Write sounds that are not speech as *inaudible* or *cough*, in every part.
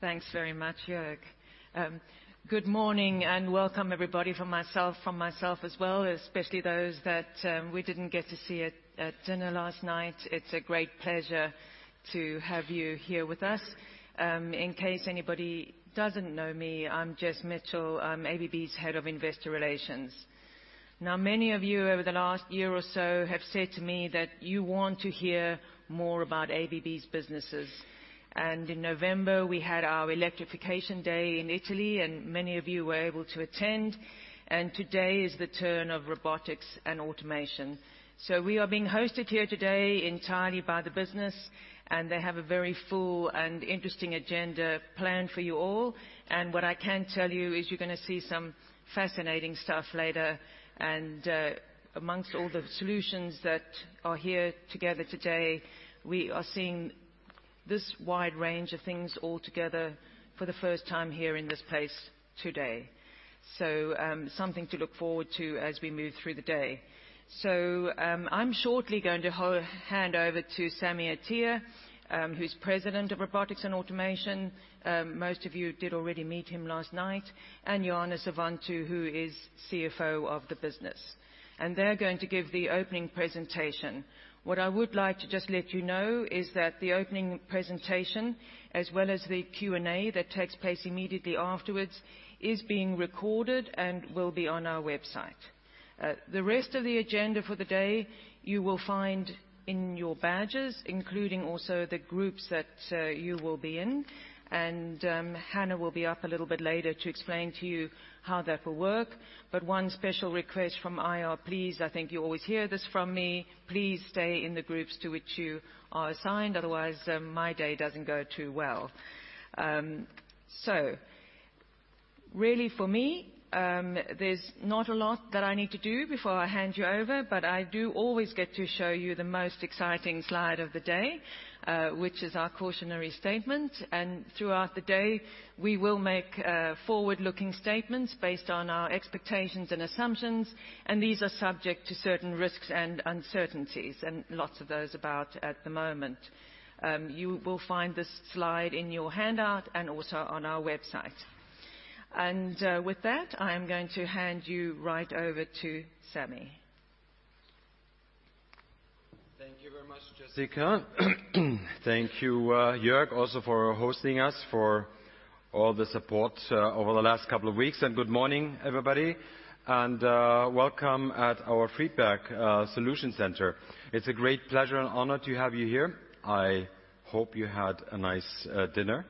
Thanks very much, Jörg. Good morning, welcome everybody from myself as well, especially those that we didn't get to see at dinner last night. It's a great pleasure to have you here with us. In case anybody doesn't know me, I'm Jess Mitchell. I'm ABB's Head of Investor Relations. Now, many of you over the last year or so have said to me that you want to hear more about ABB's businesses. In November, we had our electrification day in Italy, and many of you were able to attend, and today is the turn of robotics and automation. We are being hosted here today entirely by the business, and they have a very full and interesting agenda planned for you all. What I can tell you is you're going to see some fascinating stuff later. Amongst all the solutions that are here together today, we are seeing this wide range of things all together for the first time here in this place today. Something to look forward to as we move through the day. I'm shortly going to hand over to Sami Atiya, who's President of Robotics & Discrete Automation. Most of you did already meet him last night. Jaana Suvanto, who is CFO of the business. They're going to give the opening presentation. What I would like to just let you know is that the opening presentation, as well as the Q&A that takes place immediately afterwards, is being recorded and will be on our website. The rest of the agenda for the day, you will find in your badges, including also the groups that you will be in. Jaana will be up a little bit later to explain to you how that will work. One special request from IR, please, I think you always hear this from me, please stay in the groups to which you are assigned. Otherwise, my day doesn't go too well. Really, for me, there's not a lot that I need to do before I hand you over, but I do always get to show you the most exciting slide of the day, which is our cautionary statement. Throughout the day, we will make forward-looking statements based on our expectations and assumptions, and these are subject to certain risks and uncertainties, and lots of those about at the moment. You will find this slide in your handout and also on our website. With that, I am going to hand you right over to Sami. Thank you very much, Jessica. Thank you, Jörg, also for hosting us, for all the support over the last couple of weeks. Good morning, everybody, and welcome at our Friedberg Solution Center. It's a great pleasure and honor to have you here. I hope you had a nice dinner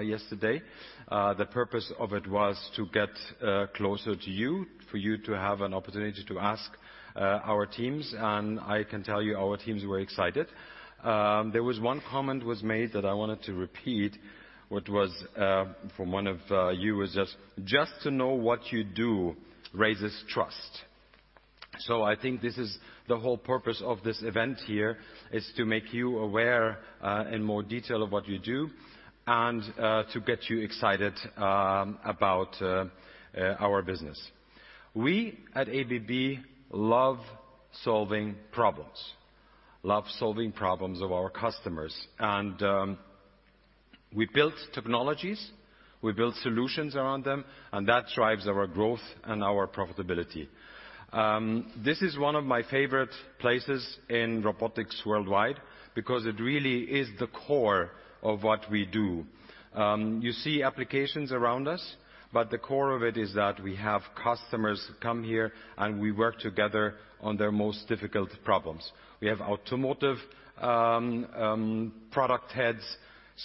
yesterday. The purpose of it was to get closer to you, for you to have an opportunity to ask our teams, and I can tell you our teams were excited. There was one comment was made that I wanted to repeat, which was from one of you, was, "Just to know what you do raises trust." I think this is the whole purpose of this event here is to make you aware in more detail of what you do and to get you excited about our business. We at ABB love solving problems, love solving problems of our customers. We built technologies, we built solutions around them, and that drives our growth and our profitability. This is one of my favorite places in robotics worldwide because it really is the core of what we do. You see applications around us, but the core of it is that we have customers come here and we work together on their most difficult problems. We have automotive product heads,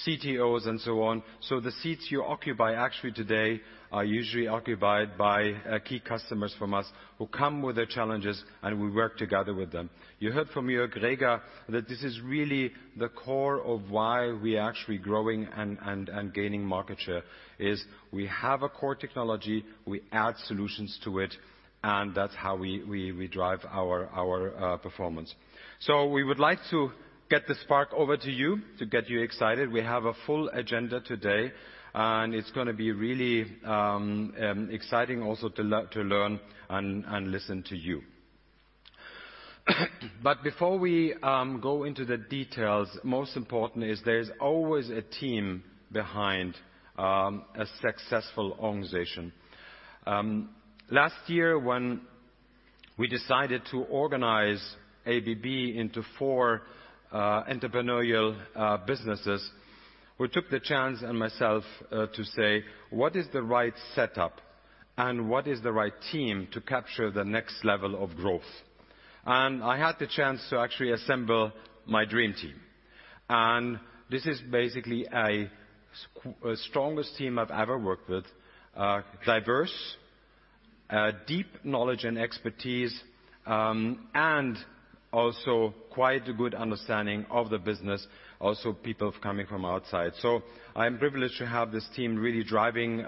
CTOs, and so on. The seats you occupy actually today are usually occupied by key customers from us who come with their challenges, and we work together with them. You heard from Jörg Reger that this is really the core of why we are actually growing and gaining market share, is we have a core technology, we add solutions to it, and that's how we drive our performance. We would like to get the spark over to you to get you excited. We have a full agenda today, and it's going to be really exciting also to learn and listen to you. Before we go into the details, most important is there is always a team behind a successful organization. Last year when we decided to organize ABB into four entrepreneurial businesses, we took the chance, and myself to say, "What is the right setup, and what is the right team to capture the next level of growth?" I had the chance to actually assemble my dream team. This is basically a strongest team I've ever worked with. Diverse, deep knowledge and expertise, and also quite a good understanding of the business, also people coming from outside. I'm privileged to have this team really driving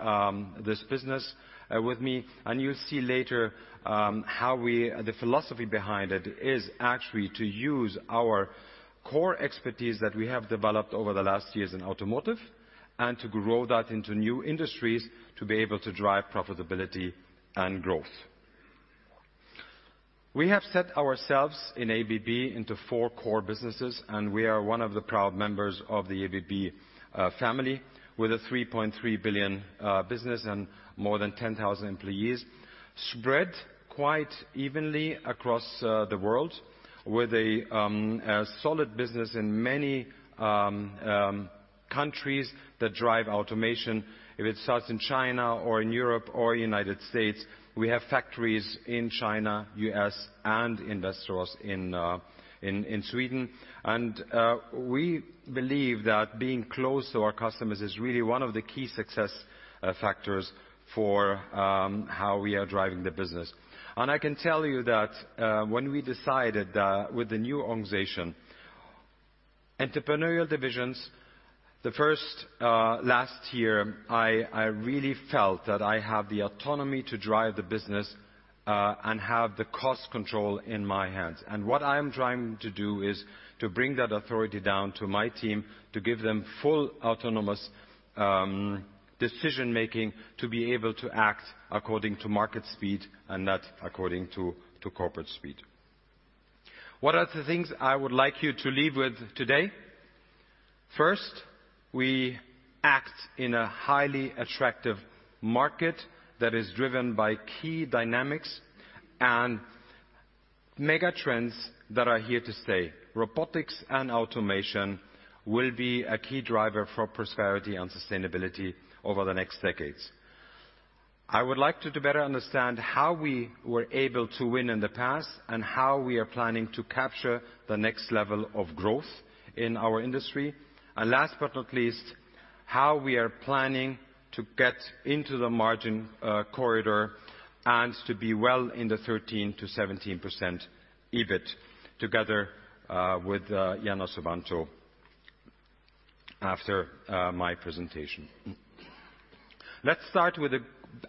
this business with me. You'll see later how the philosophy behind it is actually to use our core expertise that we have developed over the last years in automotive and to grow that into new industries to be able to drive profitability and growth. We have set ourselves in ABB into four core businesses, and we are one of the proud members of the ABB family with a $3.3 billion business and more than 10,000 employees spread quite evenly across the world with a solid business in many countries that drive automation, if it starts in China or in Europe or United States. We have factories in China, U.S., and industry in Sweden. We believe that being close to our customers is really one of the key success factors for how we are driving the business. I can tell you that when we decided that with the new organization, entrepreneurial divisions, the first last year, I really felt that I have the autonomy to drive the business and have the cost control in my hands. What I am trying to do is to bring that authority down to my team to give them full autonomous decision-making to be able to act according to market speed and not according to corporate speed. What are the things I would like you to leave with today? First, we act in a highly attractive market that is driven by key dynamics and mega trends that are here to stay. Robotics and automation will be a key driver for prosperity and sustainability over the next decades. I would like you to better understand how we were able to win in the past and how we are planning to capture the next level of growth in our industry, and last but not least, how we are planning to get into the margin corridor and to be well in the 13%-17% EBIT together with Jaana Suvanto after my presentation. Let's start with the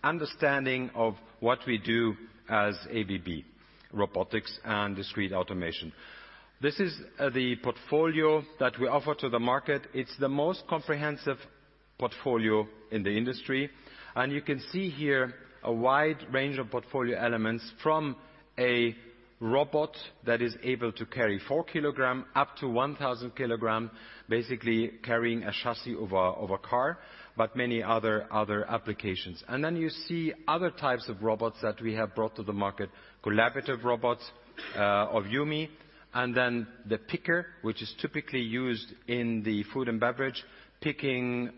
understanding of what we do as ABB Robotics & Discrete Automation. This is the portfolio that we offer to the market. It's the most comprehensive portfolio in the industry, and you can see here a wide range of portfolio elements from a robot that is able to carry 4 kg up to 1,000 kg, basically carrying a chassis of a car, but many other applications. You see other types of robots that we have brought to the market, collaborative robots of YuMi, and then the FlexPicker, which is typically used in the food and beverage, picking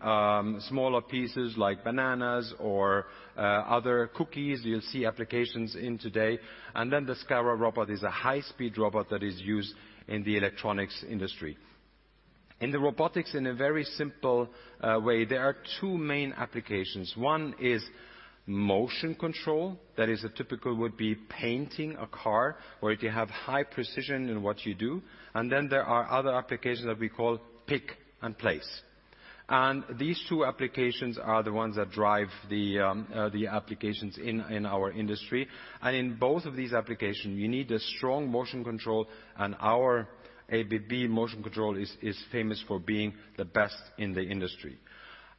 smaller pieces like bananas or other cookies. You'll see applications in today. The SCARA robot is a high-speed robot that is used in the electronics industry. In the robotics in a very simple way, there are two main applications. One is motion control, that is a typical would-be painting a car, or if you have high precision in what you do. There are other applications that we call pick and place. These two applications are the ones that drive the applications in our industry. In both of these application, you need a strong motion control and our ABB motion control is famous for being the best in the industry.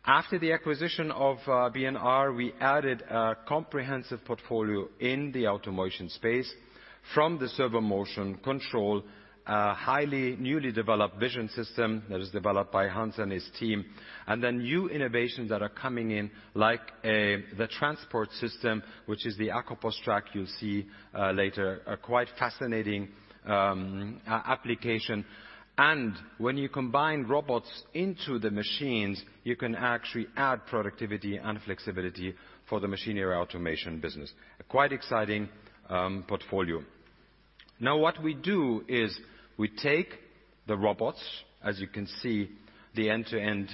After the acquisition of B&R, we added a comprehensive portfolio in the automation space from the servomotion control, a highly newly developed vision system that is developed by Hans and his team, new innovations that are coming in like the transport system, which is the ACOPOStrak you'll see later, a quite fascinating application. When you combine robots into the machines, you can actually add productivity and flexibility for the machinery automation business. A quite exciting portfolio. Now what we do is we take the robots, as you can see, the end-to-end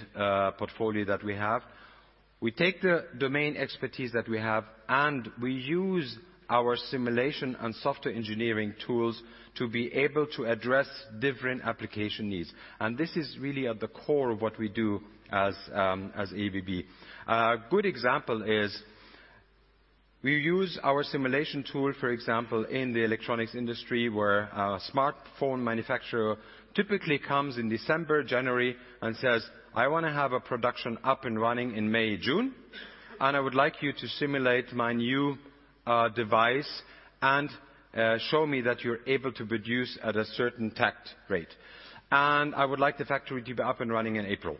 portfolio that we have. We take the domain expertise that we have, we use our simulation and software engineering tools to be able to address different application needs. This is really at the core of what we do as ABB. A good example is we use our simulation tool, for example, in the electronics industry, where a smartphone manufacturer typically comes in December, January and says, "I want to have a production up and running in May, June, and I would like you to simulate my new device and show me that you're able to produce at a certain tact rate." I would like the factory to be up and running in April.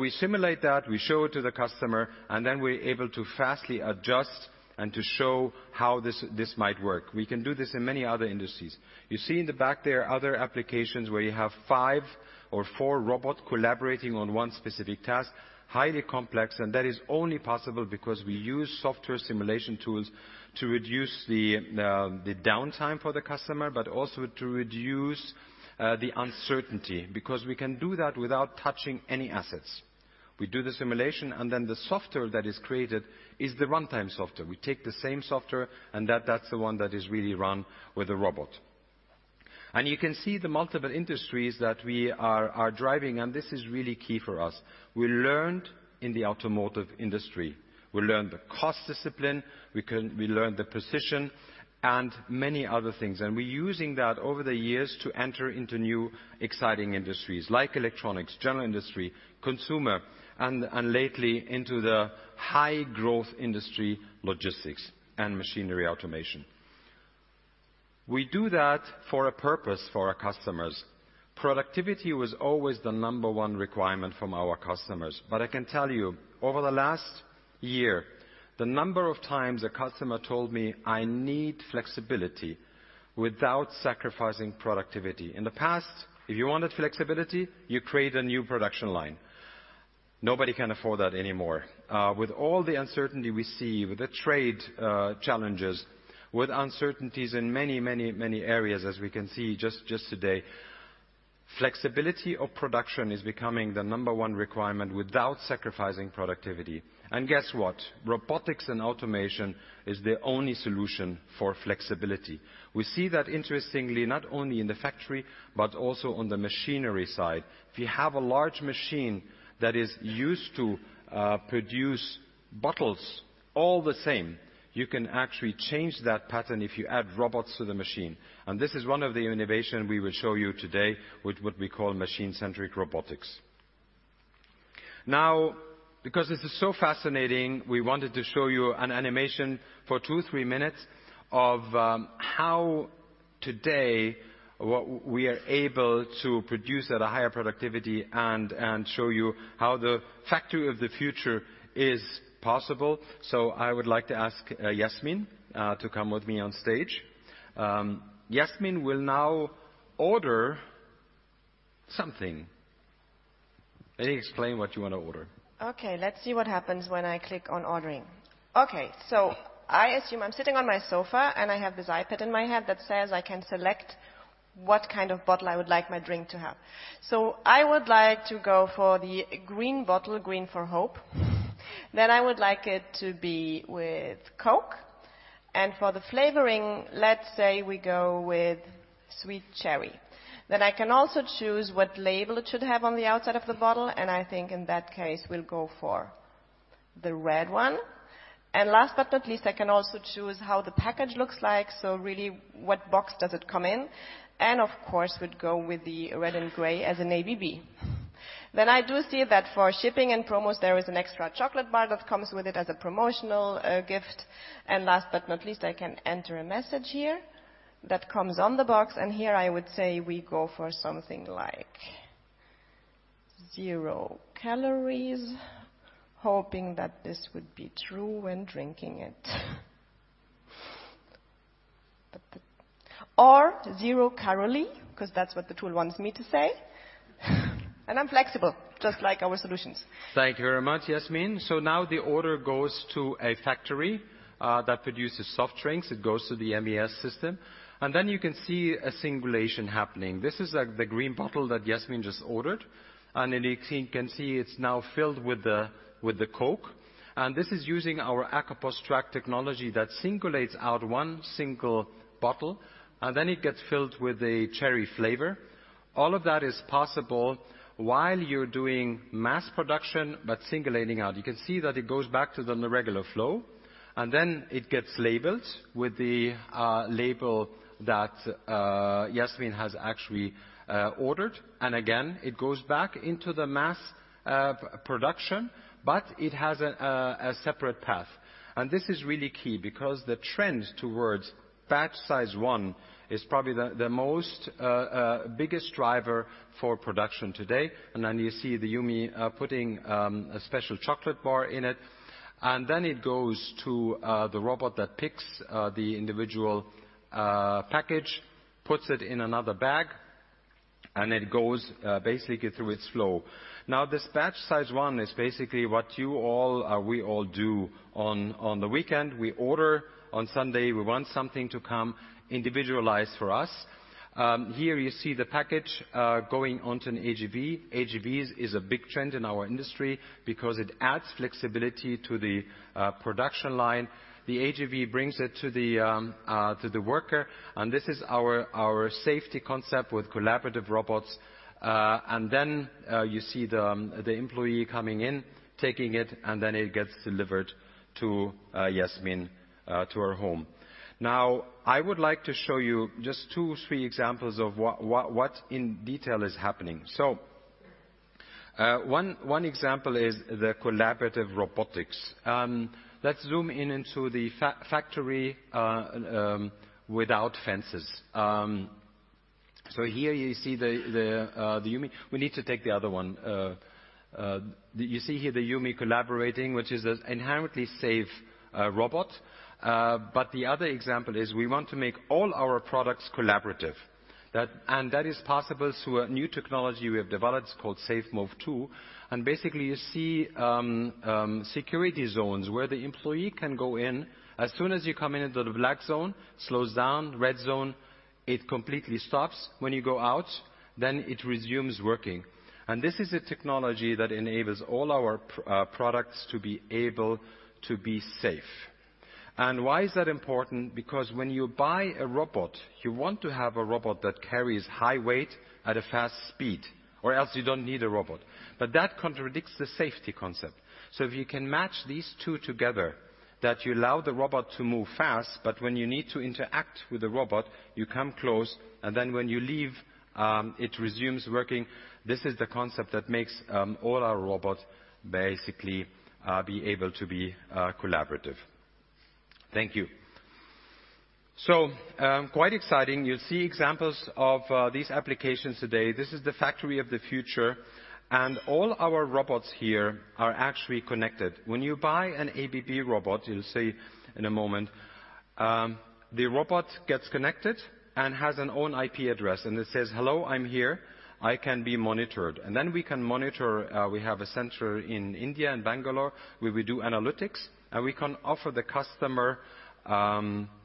We simulate that, we show it to the customer, and then we're able to fastly adjust and to show how this might work. We can do this in many other industries. You see in the back there other applications where you have five or four robot collaborating on one specific task, highly complex, and that is only possible because we use software simulation tools to reduce the downtime for the customer, but also to reduce the uncertainty, because we can do that without touching any assets. We do the simulation. The software that is created is the runtime software. We take the same software. That's the one that is really run with a robot. You can see the multiple industries that we are driving, and this is really key for us. We learned in the automotive industry. We learned the cost discipline, we learned the precision, and many other things. We're using that over the years to enter into new, exciting industries like electronics, general industry, consumer, and lately into the high-growth industry, logistics and machinery automation. We do that for a purpose for our customers. Productivity was always the number one requirement from our customers, but I can tell you, over the last year, the number of times a customer told me, "I need flexibility without sacrificing productivity." In the past, if you wanted flexibility, you create a new production line. Nobody can afford that anymore. With all the uncertainty we see, with the trade challenges, with uncertainties in many areas, as we can see just today, flexibility of production is becoming the number one requirement without sacrificing productivity. Guess what? Robotics and automation is the only solution for flexibility. We see that interestingly, not only in the factory, but also on the machinery side. If you have a large machine that is used to produce bottles all the same, you can actually change that pattern if you add robots to the machine. This is one of the innovation we will show you today with what we call Machine-Centric Robotics. Because this is so fascinating, we wanted to show you an animation for two, three minutes of how today what we are able to produce at a higher productivity and show you how the factory of the future is possible. I would like to ask Yasmin to come with me on stage. Yasmin will now order something. Maybe explain what you want to order. Let's see what happens when I click on ordering. I assume I'm sitting on my sofa and I have this iPad in my hand that says I can select what kind of bottle I would like my drink to have. I would like to go for the green bottle, green for hope. I would like it to be with Coke, and for the flavoring, let's say we go with sweet cherry. I can also choose what label it should have on the outside of the bottle, and I think in that case, we'll go for the red one. Last but not least, I can also choose how the package looks like, so really what box does it come in? Of course, we'd go with the red and gray as in ABB. I do see that for shipping and promos, there is an extra chocolate bar that comes with it as a promotional gift. Last but not least, I can enter a message here that comes on the box. Here I would say we go for something like zero calories, hoping that this would be true when drinking it. Zero calorie, because that's what the tool wants me to say. I'm flexible, just like our solutions. Thank you very much, Yasmin. Now the order goes to a factory that produces soft drinks. It goes to the MES system, and then you can see a singulation happening. This is the green bottle that Yasmin just ordered, and you can see it's now filled with the Coke. This is using our ACOPOStrak technology that singulates out one single bottle, and then it gets filled with a cherry flavor. All of that is possible while you're doing mass production, but singulating out. You can see that it goes back to the regular flow, and then it gets labeled with the label that Yasmin has actually ordered. Again, it goes back into the mass production, but it has a separate path. This is really key because the trend towards batch size one is probably the most biggest driver for production today. You see the YuMi putting a special chocolate bar in it. It goes to the robot that picks the individual package, puts it in another bag, and it goes basically through its flow. This batch size one is basically what you all or we all do on the weekend. We order on Sunday. We want something to come individualized for us. Here you see the package going onto an AGV. AGVs is a big trend in our industry because it adds flexibility to the production line. The AGV brings it to the worker, and this is our safety concept with collaborative robots. You see the employee coming in, taking it, and then it gets delivered to Yasmin to her home. I would like to show you just two, three examples of what in detail is happening. One example is the collaborative robotics. Let's zoom in into the factory without fences. Here you see the YuMi. We need to take the other one. You see here the YuMi collaborating, which is an inherently safe robot. The other example is we want to make all our products collaborative, and that is possible through a new technology we have developed called SafeMove2. Basically, you see security zones where the employee can go in. As soon as you come into the black zone, slows down. Red zone, it completely stops. When you go out, it resumes working. This is a technology that enables all our products to be able to be safe. Why is that important? When you buy a robot, you want to have a robot that carries high weight at a fast speed, or else you don't need a robot. That contradicts the safety concept. If you can match these two together, that you allow the robot to move fast, but when you need to interact with the robot, you come close, and then when you leave, it resumes working. This is the concept that makes all our robots basically be able to be collaborative. Thank you. Quite exciting. You'll see examples of these applications today. This is the factory of the future, and all our robots here are actually connected. When you buy an ABB robot, you'll see in a moment, the robot gets connected and has an own IP address, and it says, "Hello, I'm here. I can be monitored." Then we can monitor, we have a center in India, in Bangalore, where we do analytics, and we can offer the customer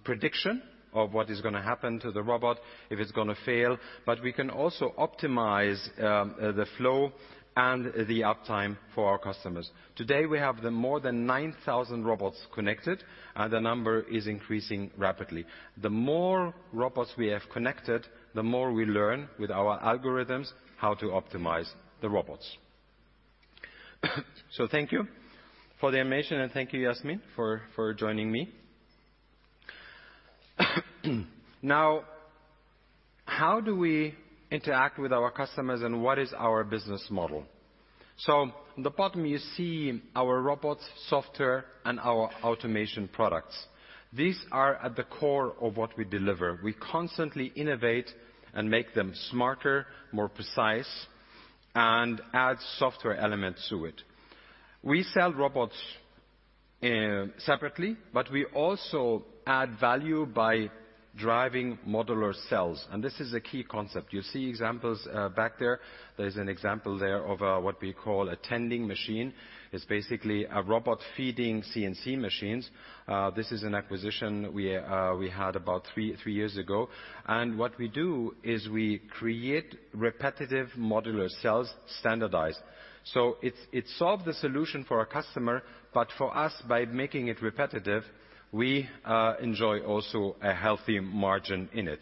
prediction of what is going to happen to the robot, if it's going to fail. We can also optimize the flow and the uptime for our customers. Today, we have the more than 9,000 robots connected, and the number is increasing rapidly. The more robots we have connected, the more we learn with our algorithms how to optimize the robots. Thank you for the information, and thank you, Yasmin, for joining me. Now, how do we interact with our customers and what is our business model? On the bottom, you see our robots, software, and our automation products. These are at the core of what we deliver. We constantly innovate and make them smarter, more precise, and add software elements to it. We sell robots separately, but we also add value by driving modular cells, and this is a key concept. You see examples back there. There's an example there of what we call a tending machine, is basically a robot feeding CNC machines. This is an acquisition we had about three years ago. What we do is we create repetitive modular cells standardized. It solved the solution for our customer, but for us, by making it repetitive, we enjoy also a healthy margin in it.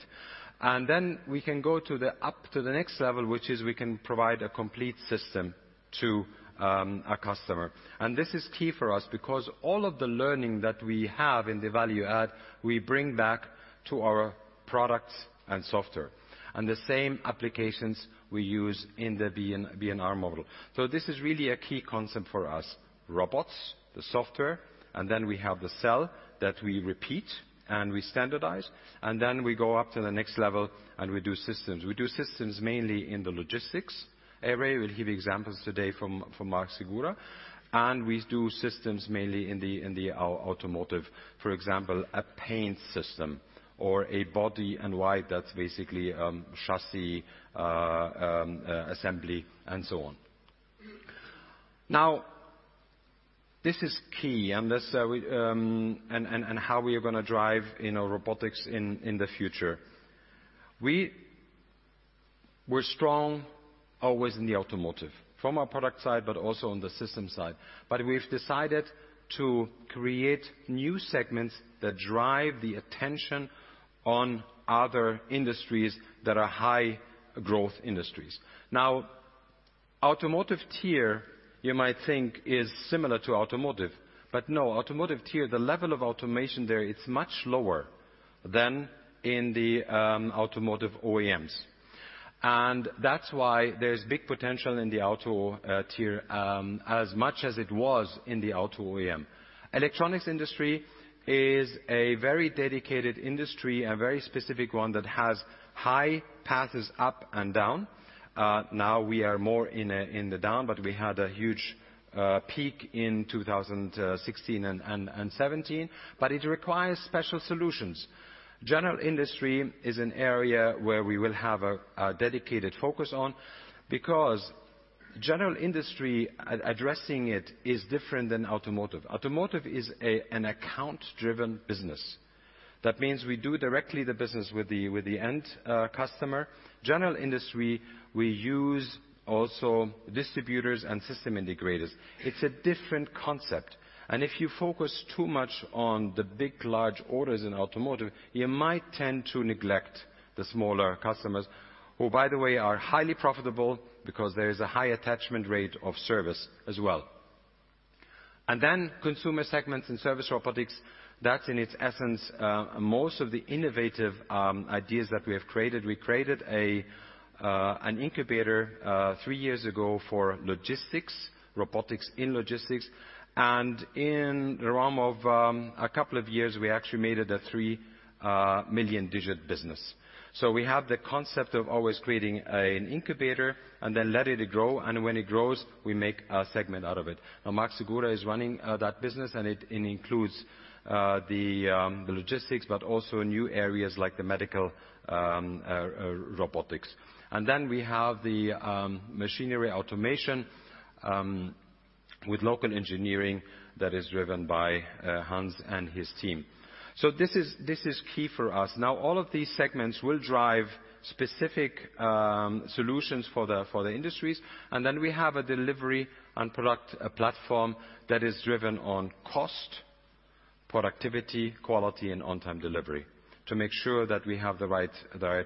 We can go up to the next level, which is we can provide a complete system to a customer. This is key for us because all of the learning that we have in the value add, we bring back to our products and software, and the same applications we use in the B&R model. This is really a key concept for us. Robots, the software, and then we have the cell that we repeat and we standardize, and then we go up to the next level and we do systems. We do systems mainly in the logistics area. We'll hear the examples today from Marc Segura. We do systems mainly in the automotive. For example, a paint system or a body in white that's basically chassis assembly and so on. This is key, and how we are going to drive robotics in the future. We were strong always in the automotive, from our product side, but also on the system side. We've decided to create new segments that drive the attention on other industries that are high-growth industries. Now, automotive tier, you might think is similar to automotive, but no, automotive tier, the level of automation there it's much lower than in the automotive OEMs. That's why there's big potential in the auto tier, as much as it was in the auto OEM. Electronics industry is a very dedicated industry, a very specific one that has high passes up and down. Now we are more in the down, but we had a huge peak in 2016 and 2017, but it requires special solutions. General industry is an area where we will have a dedicated focus on, because general industry, addressing it is different than automotive. Automotive is an account-driven business. That means we do directly the business with the end customer. General industry, we use also distributors and system integrators. It's a different concept. If you focus too much on the big, large orders in automotive, you might tend to neglect the smaller customers, who by the way, are highly profitable because there is a high attachment rate of service as well. Consumer segments and service robotics, that's in its essence, most of the innovative ideas that we have created. We created an incubator three years ago for logistics, robotics in logistics. In the realm of a couple of years, we actually made it a three-million-digit business. We have the concept of always creating an incubator and then let it grow, and when it grows, we make a segment out of it. Now Marc Segura is running that business, and it includes the logistics, but also new areas like the medical robotics. We have the machinery automation with local engineering that is driven by Hans and his team. This is key for us. All of these segments will drive specific solutions for the industries. We have a delivery and product platform that is driven on cost, productivity, quality, and on-time delivery to make sure that we have the right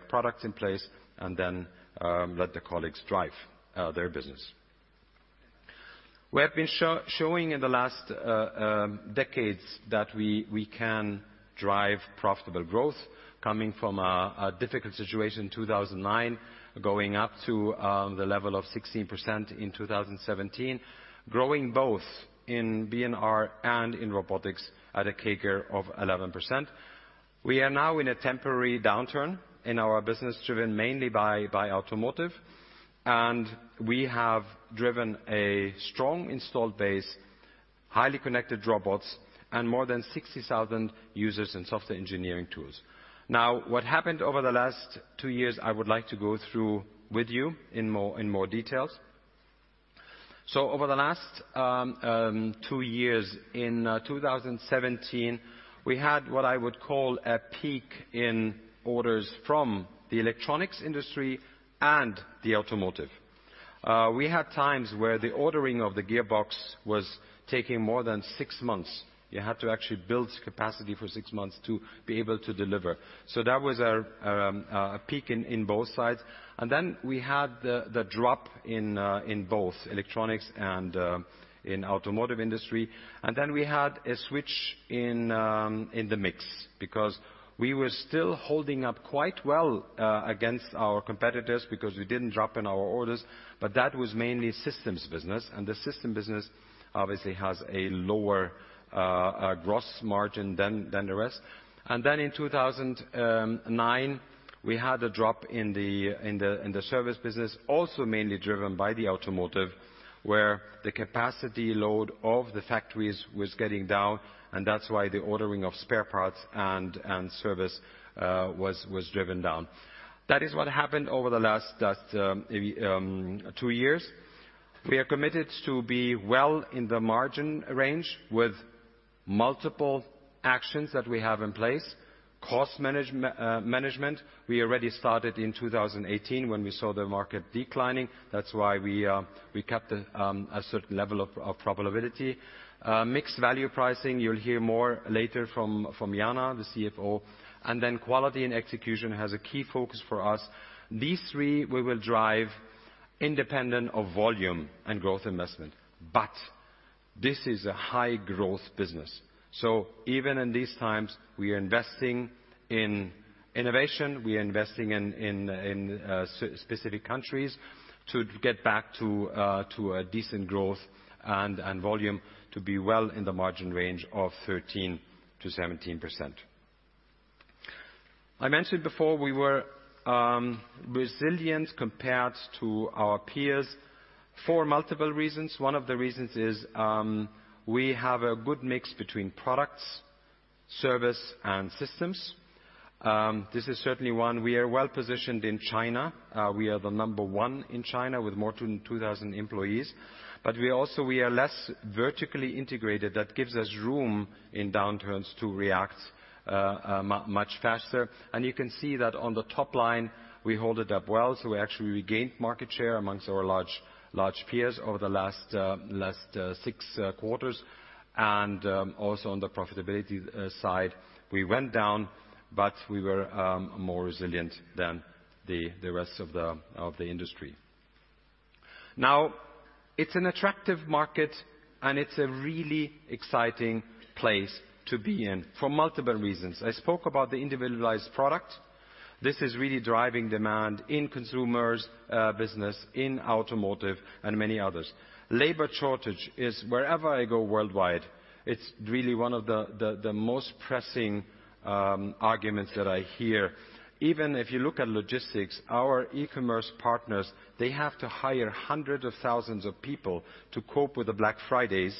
product in place and then let the colleagues drive their business. We have been showing in the last decades that we can drive profitable growth. Coming from a difficult situation in 2009, going up to the level of 16% in 2017, growing both in B&R and in robotics at a CAGR of 11%. We are now in a temporary downturn in our business, driven mainly by automotive, and we have driven a strong installed base, highly connected robots, and more than 60,000 users in software engineering tools. What happened over the last two years, I would like to go through with you in more details. Over the last two years, in 2017, we had what I would call a peak in orders from the electronics industry and the automotive. We had times where the ordering of the gearbox was taking more than six months. You had to actually build capacity for six months to be able to deliver. That was our peak in both sides. We had the drop in both electronics and in automotive industry. We had a switch in the mix because we were still holding up quite well against our competitors because we didn't drop in our orders, but that was mainly systems business. The system business obviously has a lower gross margin than the rest. Then in 2009, we had a drop in the service business, also mainly driven by the automotive, where the capacity load of the factories was getting down, and that's why the ordering of spare parts and service was driven down. That is what happened over the last two years. We are committed to be well in the margin range with multiple actions that we have in place. Cost management, we already started in 2018 when we saw the market declining. That's why we kept a certain level of profitability. Mixed value pricing, you'll hear more later from Jaana, the CFO, then quality and execution has a key focus for us. These three we will drive independent of volume and growth investment, this is a high-growth business. Even in these times, we are investing in innovation, we are investing in specific countries to get back to a decent growth and volume to be well in the margin range of 13%-17%. I mentioned before, we were resilient compared to our peers for multiple reasons. One of the reasons is we have a good mix between products, service, and systems. This is certainly one. We are well-positioned in China. We are the number one in China with more than 2,000 employees. We also are less vertically integrated. That gives us room in downturns to react much faster. You can see that on the top line, we hold it up well. We actually regained market share amongst our large peers over the last six quarters, and also on the profitability side, we went down, but we were more resilient than the rest of the industry. It's an attractive market, and it's a really exciting place to be in for multiple reasons. I spoke about the individualized product. This is really driving demand in consumer business, in automotive, and many others. Labor shortage is wherever I go worldwide, it's really one of the most pressing arguments that I hear. Even if you look at logistics, our e-commerce partners, they have to hire hundreds of thousands of people to cope with the Black Fridays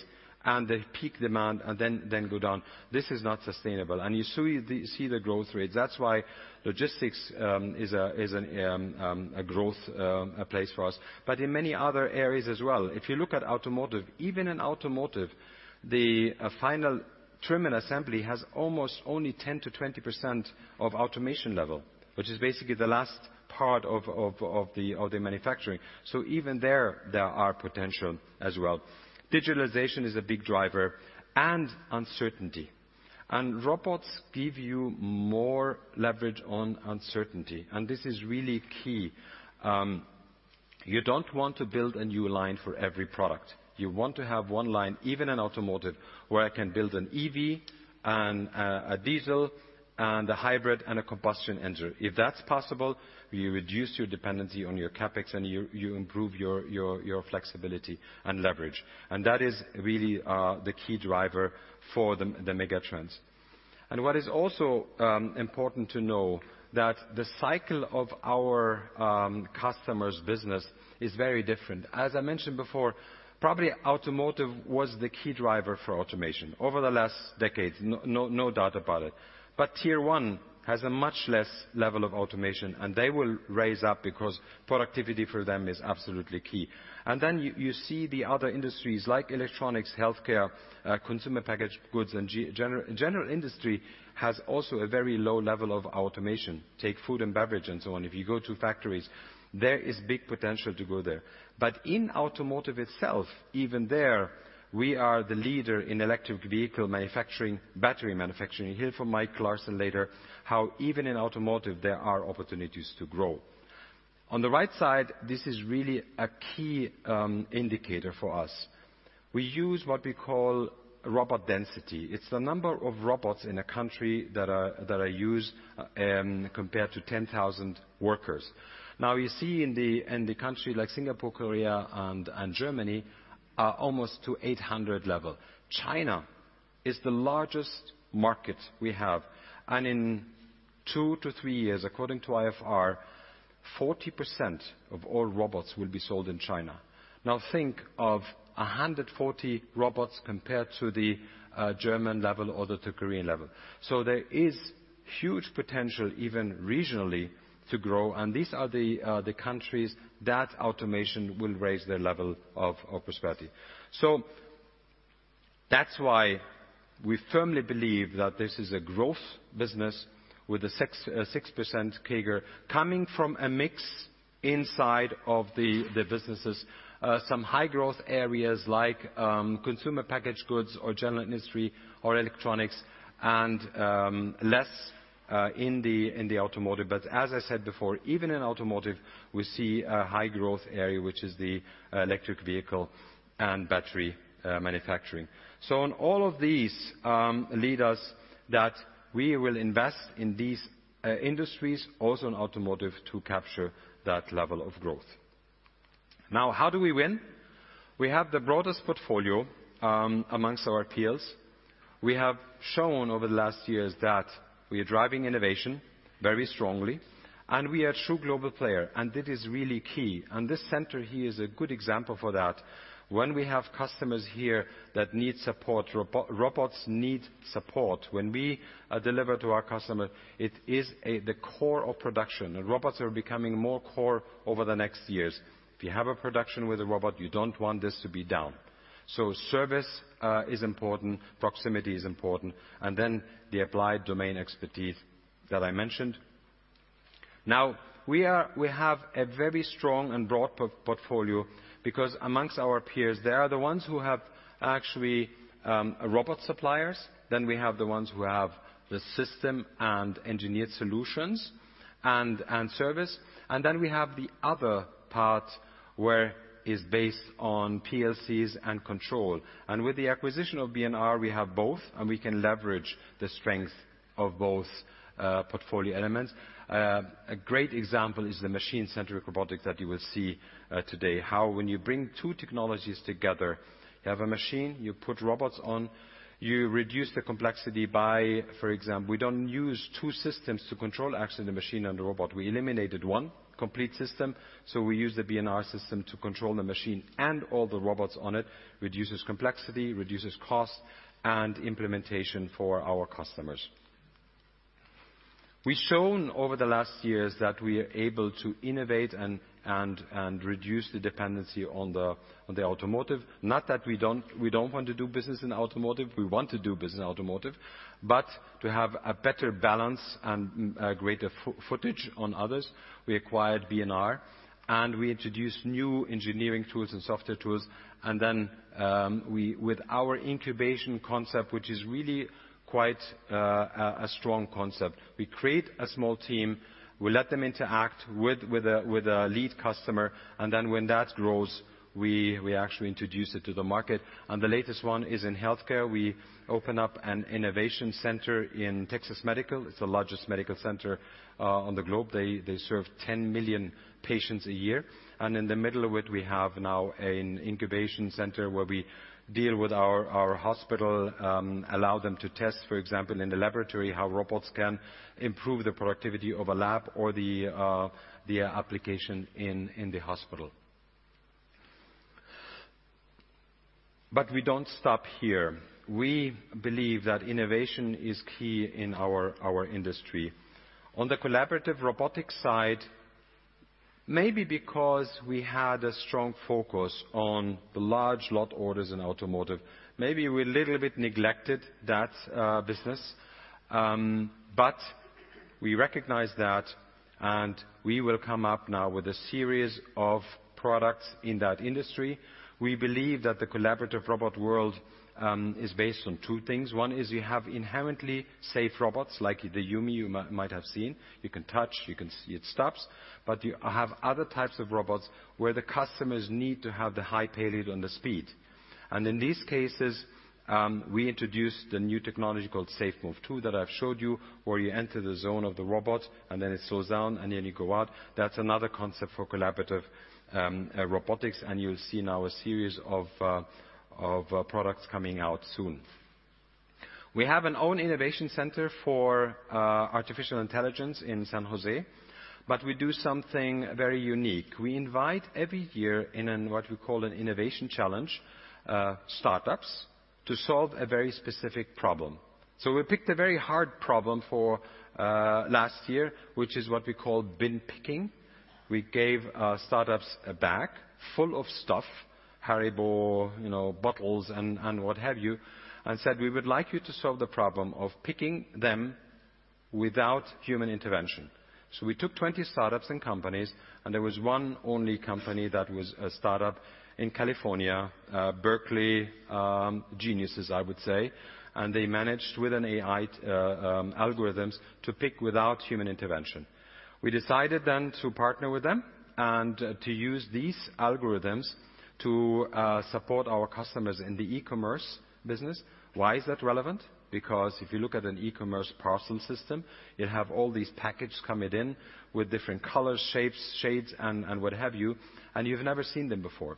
and the peak demand and then go down. This is not sustainable. You see the growth rates. That's why logistics is a growth place for us. In many other areas as well. If you look at automotive, even in automotive, the final trim and assembly has almost only 10%-20% of automation level, which is basically the last part of the manufacturing. Even there are potential as well. Digitalization is a big driver and uncertainty. Robots give you more leverage on uncertainty, and this is really key. You don't want to build a new line for every product. You want to have one line, even in automotive, where I can build an EV and a diesel and a hybrid and a combustion engine. If that's possible, you reduce your dependency on your CapEx and you improve your flexibility and leverage. That is really the key driver for the mega trends. What is also important to know that the cycle of our customers' business is very different. As I mentioned before, probably automotive was the key driver for automation over the last decade, no doubt about it. Tier 1 has a much less level of automation, and they will raise up because productivity for them is absolutely key. Then you see the other industries like electronics, healthcare, consumer packaged goods, and general industry has also a very low level of automation. Take food and beverage and so on. If you go to factories, there is big potential to go there. In automotive itself, even there, we are the leader in electric vehicle manufacturing, battery manufacturing. You'll hear from Mike Larsson later how even in automotive, there are opportunities to grow. On the right side, this is really a key indicator for us. We use what we call robot density. It's the number of robots in a country that are used compared to 10,000 workers. You see in the country like Singapore, Korea, and Germany, are almost to 800 level. China is the largest market we have. In two to three years, according to IFR, 40% of all robots will be sold in China. Think of 140 robots compared to the German level or the Korean level. There is huge potential, even regionally, to grow. These are the countries that automation will raise their level of prosperity. That's why we firmly believe that this is a growth business with a 6% CAGR coming from a mix inside of the businesses, some high-growth areas like consumer packaged goods or general industry or electronics, less in the automotive. As I said before, even in automotive, we see a high-growth area, which is the electric vehicle and battery manufacturing. On all of these lead us that we will invest in these industries, also in automotive, to capture that level of growth. Now, how do we win? We have the broadest portfolio amongst our peers. We have shown over the last years that we are driving innovation very strongly, and we are a true global player, and that is really key. This center here is a good example for that. When we have customers here that need support, robots need support. When we deliver to our customer, it is the core of production. The robots are becoming more core over the next years. If you have a production with a robot, you don't want this to be down. Service is important, proximity is important, and then the applied domain expertise that I mentioned. We have a very strong and broad portfolio because amongst our peers, there are the ones who have actually robot suppliers, we have the ones who have the system and engineered solutions, and service. We have the other part where is based on PLCs and control. With the acquisition of B&R, we have both, we can leverage the strength of both portfolio elements. A great example is the Machine-Centric Robotics that you will see today, how when you bring two technologies together, you have a machine, you put robots on, you reduce the complexity by, for example, we don't use two systems to control actually the machine and the robot. We eliminated one complete system, we use the B&R system to control the machine and all the robots on it, reduces complexity, reduces cost, and implementation for our customers. We've shown over the last years that we are able to innovate and reduce the dependency on the automotive. Not that we don't want to do business in automotive, we want to do business in automotive, but to have a better balance and greater footage on others, we acquired B&R, and we introduced new engineering tools and software tools. Then with our incubation concept, which is really quite a strong concept. We create a small team, we let them interact with a lead customer, and then when that grows, we actually introduce it to the market. The latest one is in healthcare. We open up an innovation center in Texas Medical Center. It's the largest medical center on the globe. They serve 10 million patients a year. In the middle of it, we have now an incubation center where we deal with our hospital, allow them to test, for example, in the laboratory, how robots can improve the productivity of a lab or the application in the hospital. We don't stop here. We believe that innovation is key in our industry. On the collaborative robotics side, maybe because we had a strong focus on the large lot orders in automotive, maybe we a little bit neglected that business. We recognize that, and we will come up now with a series of products in that industry. We believe that the collaborative robot world is based on two things. One is you have inherently safe robots, like the YuMi you might have seen. You can touch, you can see it stops. You have other types of robots where the customers need to have the high payload and the speed. In these cases, we introduced the new technology called SafeMove2 that I've showed you, where you enter the zone of the robot, then it slows down, and then you go out. That's another concept for collaborative robotics, and you'll see now a series of products coming out soon. We have an own innovation center for artificial intelligence in San Jose, but we do something very unique. We invite every year in what we call an innovation challenge, startups to solve a very specific problem. We picked a very hard problem for last year, which is what we call bin picking. We gave startups a bag full of stuff, Haribo, bottles, and what have you, and said, "We would like you to solve the problem of picking them without human intervention." We took 20 startups and companies, and there was one only company that was a startup in California, Berkeley geniuses, I would say, and they managed with an AI algorithms to pick without human intervention. We decided to partner with them and to use these algorithms to support our customers in the e-commerce business. Why is that relevant? If you look at an e-commerce parcel system, you have all these package coming in with different colors, shapes, shades and what have you, and you've never seen them before.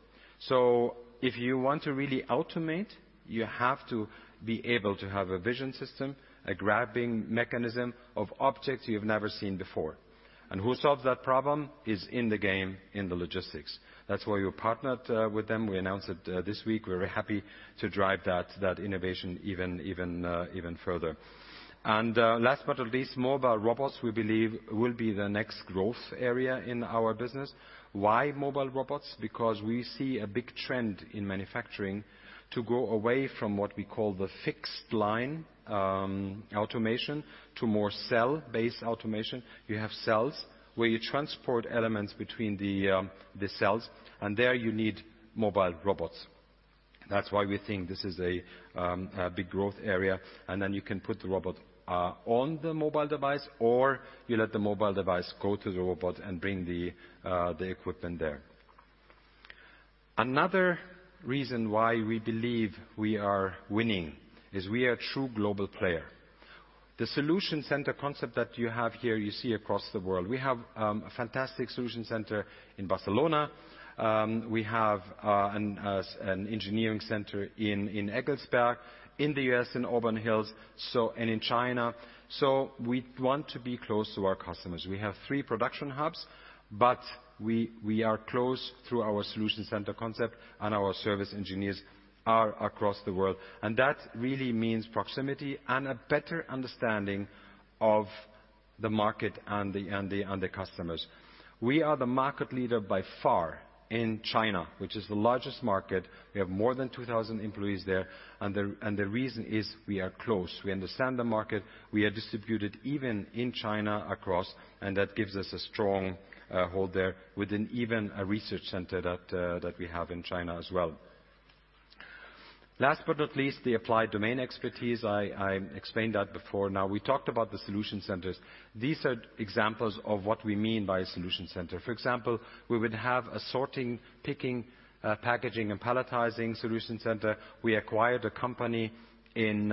If you want to really automate, you have to be able to have a vision system, a grabbing mechanism of objects you've never seen before. Who solves that problem is in the game, in the logistics. That's why we partnered with them. We announced it this week. We're happy to drive that innovation even further. Last but not least, mobile robots, we believe, will be the next growth area in our business. Why mobile robots? Because we see a big trend in manufacturing to go away from what we call the fixed line automation to more cell-based automation. You have cells where you transport elements between the cells, and there you need mobile robots. That's why we think this is a big growth area. Then you can put the robot on the mobile device, or you let the mobile device go to the robot and bring the equipment there. Another reason why we believe we are winning is we are a true global player. The solution center concept that you have here, you see across the world. We have a fantastic solution center in Barcelona. We have an engineering center in Eggelsberg, in the U.S. in Auburn Hills, and in China. We want to be close to our customers. We have three production hubs, but we are close through our solution center concept and our service engineers are across the world, and that really means proximity and a better understanding of the market and the customers. We are the market leader by far in China, which is the largest market. We have more than 2,000 employees there, and the reason is we are close. We understand the market. We are distributed even in China across, and that gives us a strong hold there with an even a research center that we have in China as well. Last but not least, the applied domain expertise. I explained that before. Now, we talked about the solution centers. These are examples of what we mean by a solution center. For example, we would have a sorting, picking, packaging, and palletizing solution center. We acquired a company in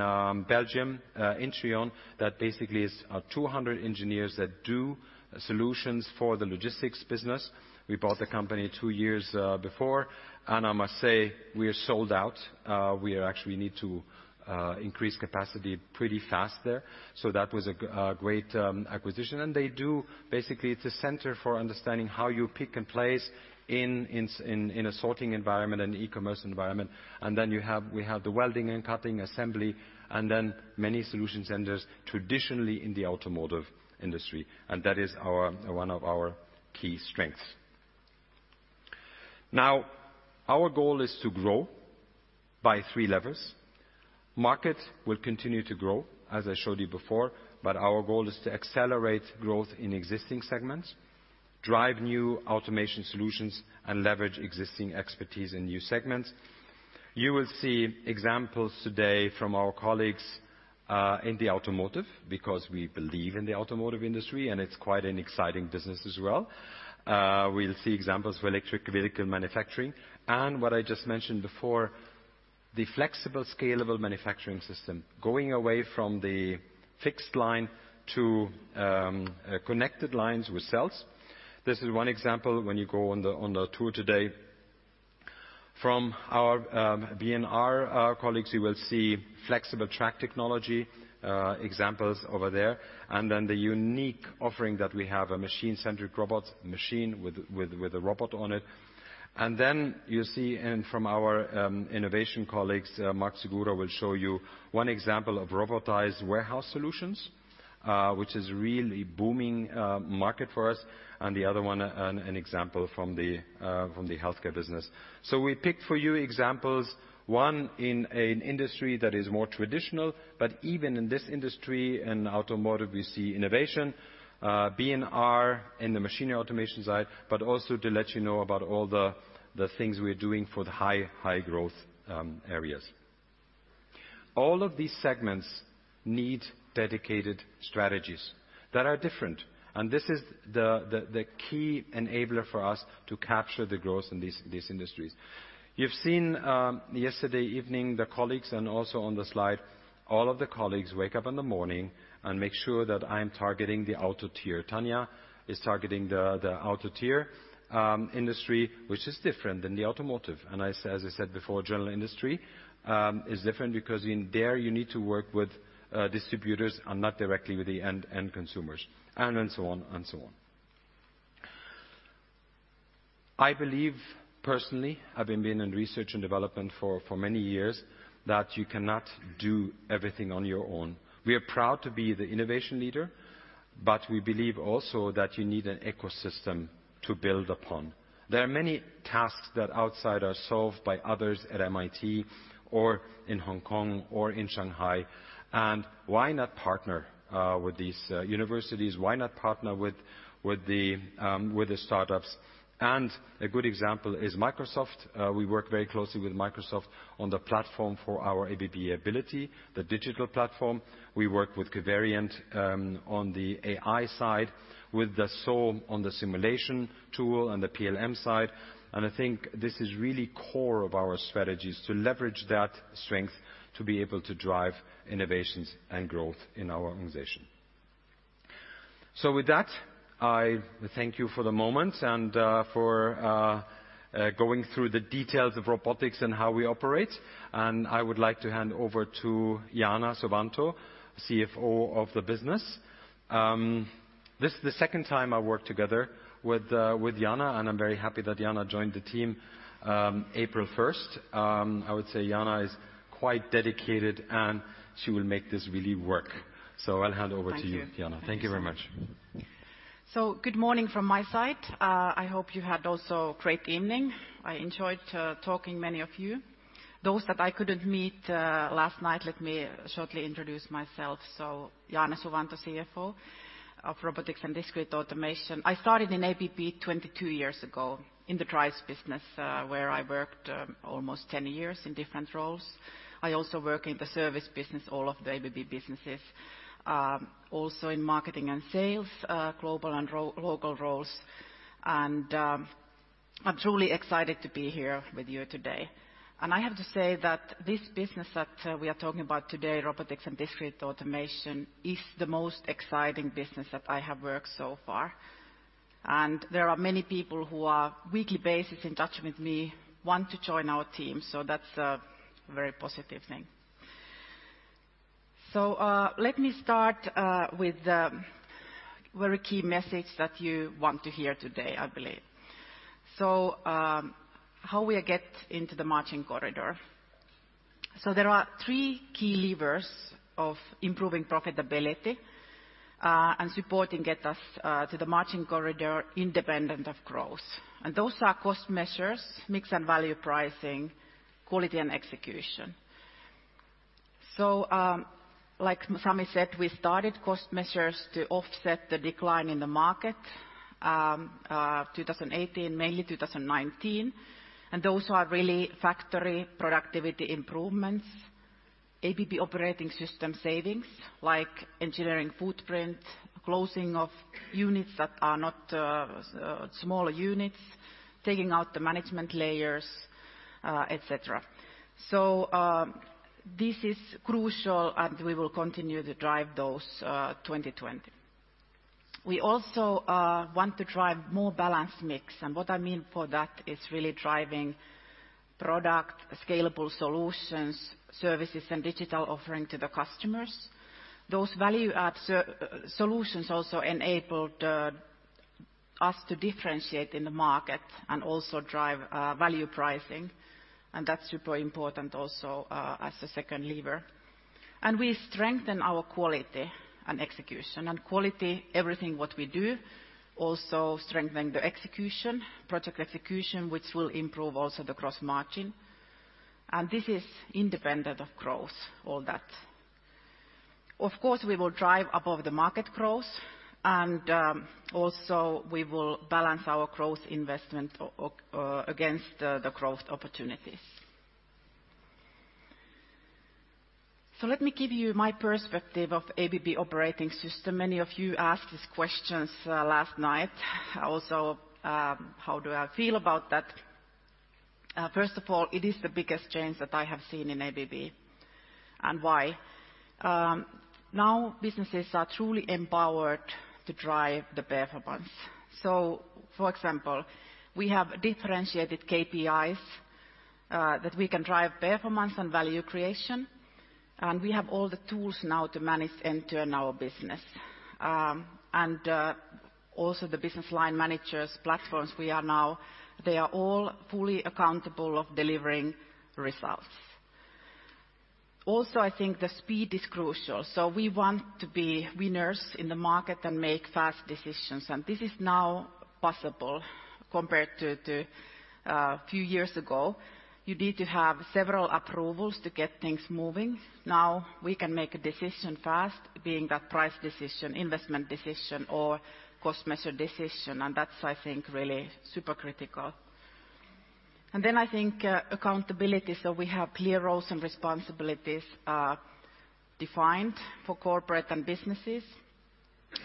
Belgium, Intrion, that basically is 200 engineers that do solutions for the logistics business. We bought the company two years before, and I must say, we are sold out. We actually need to increase capacity pretty fast there. That was a great acquisition. Basically, it's a center for understanding how you pick and place in a sorting environment and e-commerce environment. We have the welding and cutting assembly, and then many solution centers traditionally in the automotive industry, and that is one of our key strengths. Now, our goal is to grow by three levers. Market will continue to grow, as I showed you before. Our goal is to accelerate growth in existing segments, drive new automation solutions, and leverage existing expertise in new segments. You will see examples today from our colleagues, because we believe in the automotive industry and it's quite an exciting business as well. We'll see examples of electric vehicle manufacturing and what I just mentioned before, the flexible, scalable manufacturing system, going away from the fixed line to connected lines with cells. This is one example when you go on the tour today. From our B&R colleagues, you will see flexible track technology examples over there. The unique offering that we have, a Machine-Centric robot, machine with a robot on it. You see from our innovation colleagues, Marc Segura will show you one example of robotized warehouse solutions, which is really booming market for us. The other one, an example from the healthcare business. We picked for you examples, one in an industry that is more traditional, but even in this industry, in automotive, we see innovation, B&R in the machinery automation side, but also to let you know about all the things we're doing for the high growth areas. All of these segments need dedicated strategies that are different. This is the key enabler for us to capture the growth in these industries. You've seen yesterday evening, the colleagues and also on the slide, all of the colleagues wake up in the morning and make sure that I'm targeting the outer tier. Tania is targeting the outer tier industry, which is different than the automotive. As I said before, general industry is different because in there you need to work with distributors and not directly with the end consumers and so on and so on. I believe personally, having been in research and development for many years, that you cannot do everything on your own. We are proud to be the innovation leader. We believe also that you need an ecosystem to build upon. There are many tasks that outside are solved by others at MIT or in Hong Kong or in Shanghai. Why not partner with these universities? Why not partner with the startups? A good example is Microsoft. We work very closely with Microsoft on the platform for our ABB Ability, the digital platform. We work with Covariant on the AI side, with Dassault on the simulation tool and the PLM side. I think this is really core of our strategies to leverage that strength to be able to drive innovations and growth in our organization. With that, I thank you for the moment and for going through the details of robotics and how we operate. I would like to hand over to Jaana Suvanto, CFO of the business. This is the second time I work together with Jaana, and I am very happy that Jaana joined the team April 1st. I would say Jaana is quite dedicated, and she will make this really work. I will hand over to you, Jaana. Thank you. Thank you very much. Good morning from my side. I hope you had also a great evening. I enjoyed talking many of you. Those that I couldn't meet last night, let me shortly introduce myself. Jaana Suvanto, CFO of Robotics and Discrete Automation. I started in ABB 22 years ago in the drives business, where I worked almost 10 years in different roles. I also work in the service business, all of the ABB businesses, also in marketing and sales, global and local roles. I'm truly excited to be here with you today. I have to say that this business that we are talking about today, Robotics and Discrete Automation, is the most exciting business that I have worked so far. There are many people who are weekly basis in touch with me, want to join our team. That's a very positive thing. Let me start with a very key message that you want to hear today, I believe. How we get into the margin corridor. There are three key levers of improving profitability, and supporting get us to the margin corridor independent of growth. Those are cost measures, mix and value pricing, quality and execution. Like Sami said, we started cost measures to offset the decline in the market, 2018, mainly 2019. Those are really factory productivity improvements, ABB operating system savings, like engineering footprint, closing of units that are not smaller units, taking out the management layers, et cetera. This is crucial, and we will continue to drive those 2020. We also want to drive more balanced mix. What I mean for that is really driving product, scalable solutions, services, and digital offering to the customers. Those value-add solutions also enabled us to differentiate in the market and also drive value pricing. That's super important also as a second lever. We strengthen our quality and execution. Quality, everything what we do, also strengthening the execution, project execution, which will improve also the gross margin. This is independent of growth, all that. Of course, we will drive above the market growth, and also we will balance our growth investment against the growth opportunities. Let me give you my perspective of ABB operating system. Many of you asked these questions last night. How do I feel about that? First of all, it is the biggest change that I have seen in ABB. Why? Now businesses are truly empowered to drive the performance. For example, we have differentiated KPIs that we can drive performance and value creation, and we have all the tools now to manage and turn our business. Also the business line managers platforms we are now, they are all fully accountable of delivering results. Also, I think the speed is crucial. We want to be winners in the market and make fast decisions. This is now possible compared to a few years ago. You need to have several approvals to get things moving. Now we can make a decision fast, being that price decision, investment decision, or cost measure decision, and that's, I think, really super critical. I think accountability, so we have clear roles and responsibilities defined for corporate and businesses.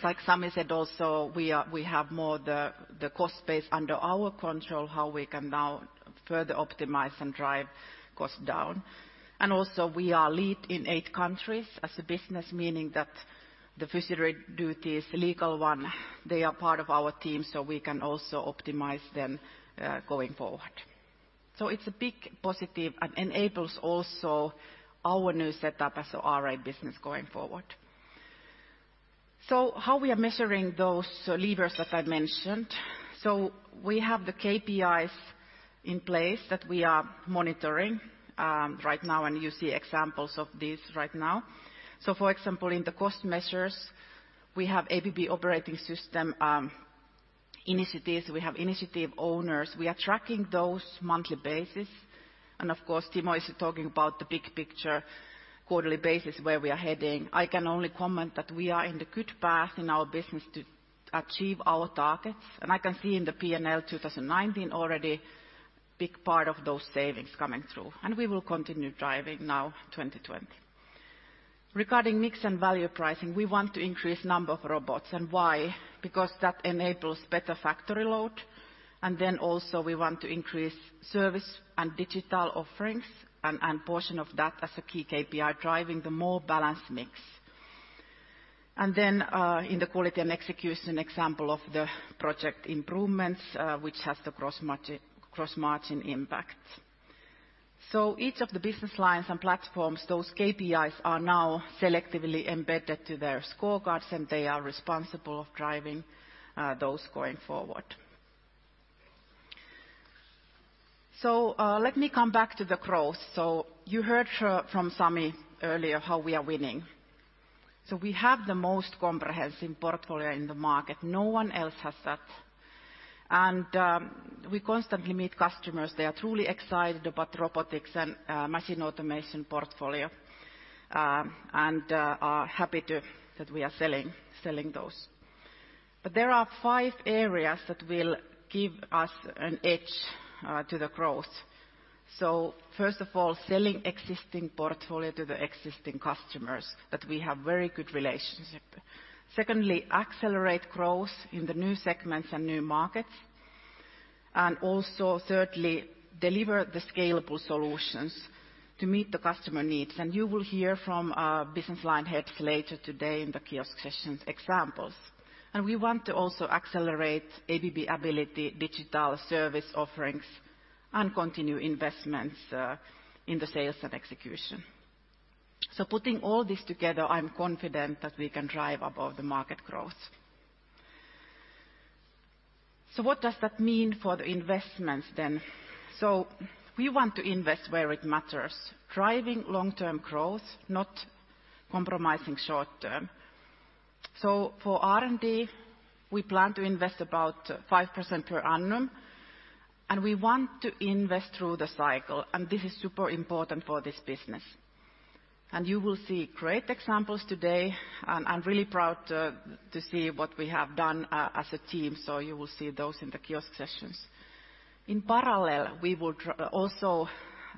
Like Sami said also, we have more the cost base under our control, how we can now further optimize and drive cost down. Also, we are lead in eight countries as a business, meaning that the fiduciary duty is a legal one. They are part of our team. We can also optimize them going forward. It's a big positive and enables also our new setup as a RA business going forward. How we are measuring those levers that I mentioned. We have the KPIs in place that we are monitoring right now, and you see examples of these right now. For example, in the cost measures, we have ABB Operating System Initiatives, we have initiative owners. We are tracking those monthly basis. Of course, Timo is talking about the big picture, quarterly basis, where we are heading. I can only comment that we are in the good path in our business to achieve our targets. I can see in the P&L 2019 already big part of those savings coming through, and we will continue driving now 2020. Regarding mix and value pricing, we want to increase number of robots. Why? Because that enables better factory load, and then also we want to increase service and digital offerings, and portion of that as a key KPI driving the more balanced mix. In the quality and execution example of the project improvements, which has the cross-margin impact. Each of the business lines and platforms, those KPIs are now selectively embedded to their scorecards, and they are responsible of driving those going forward. Let me come back to the growth. You heard from Sami earlier how we are winning. We have the most comprehensive portfolio in the market. No one else has that. We constantly meet customers, they are truly excited about robotics and machine automation portfolio, and are happy that we are selling those. There are five areas that will give us an edge to the growth. First of all, selling existing portfolio to the existing customers that we have very good relationship. Secondly, accelerate growth in the new segments and new markets. Thirdly, deliver the scalable solutions to meet the customer needs. You will hear from business line heads later today in the kiosk sessions examples. We want to also accelerate ABB Ability digital service offerings and continue investments in the sales and execution. Putting all this together, I'm confident that we can drive above the market growth. What does that mean for the investments then? We want to invest where it matters, driving long-term growth, not compromising short-term. For R&D, we plan to invest about 5% per annum, and we want to invest through the cycle, and this is super important for this business. You will see great examples today, and I'm really proud to see what we have done as a team. You will see those in the kiosk sessions. In parallel, we would also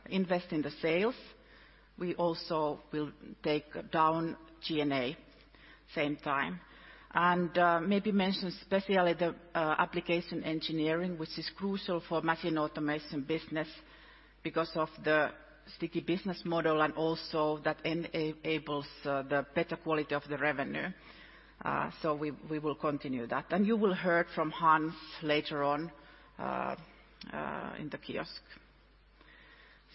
invest in the sales. We also will take down G&A same time. Maybe mention especially the application engineering, which is crucial for machine automation business because of the sticky business model and also that enables the better quality of the revenue. We will continue that. You will hear from Hans later on in the kiosk.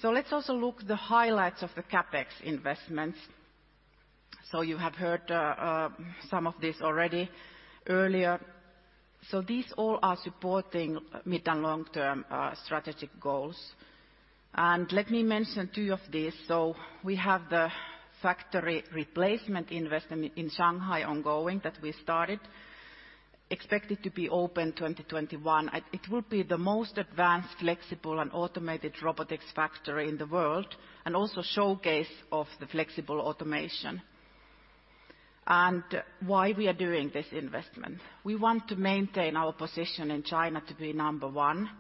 Let's also look the highlights of the CapEx investments. You have heard some of this already earlier. These all are supporting mid- and long-term strategic goals. Let me mention two of these. We have the factory replacement investment in Shanghai ongoing that we started, expected to be open 2021. It will be the most advanced, flexible, and automated robotics factory in the world, and also showcase of the flexible automation. Why we are doing this investment? We want to maintain our position in China to be number one.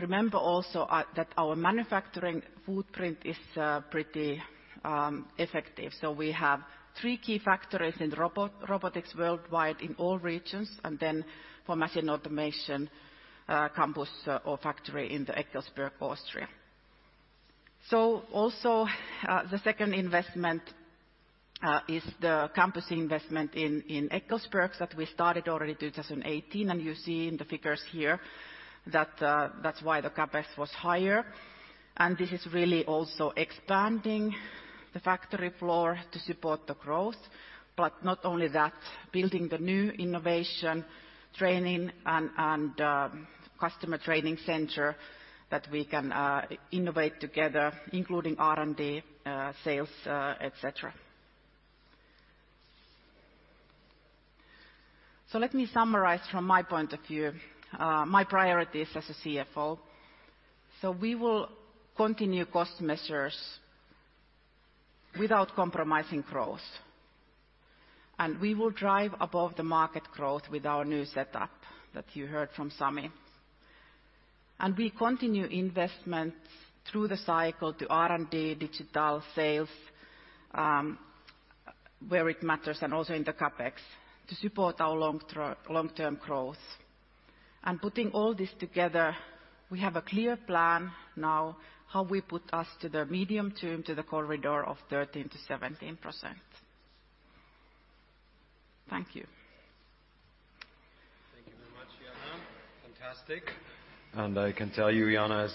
Remember also that our manufacturing footprint is pretty effective. We have three key factories in robotics worldwide in all regions, and then for machine automation campus or factory in the Eggelsberg, Austria. Also, the second investment is the campus investment in Eggelsberg that we started already 2018, and you see in the figures here that's why the CapEx was higher. This is really also expanding the factory floor to support the growth. Not only that, building the new innovation training and customer training center that we can innovate together, including R&D, sales, et cetera. Let me summarize from my point of view, my priorities as a CFO. We will continue cost measures without compromising growth. We will drive above the market growth with our new setup that you heard from Sami. We continue investments through the cycle to R&D, digital, sales, where it matters, and also in the CapEx to support our long-term growth. Putting all this together, we have a clear plan now how we put us to the medium term to the corridor of 13%-17%. Thank you. Thank you very much, Jaana. Fantastic. I can tell you, Jaana is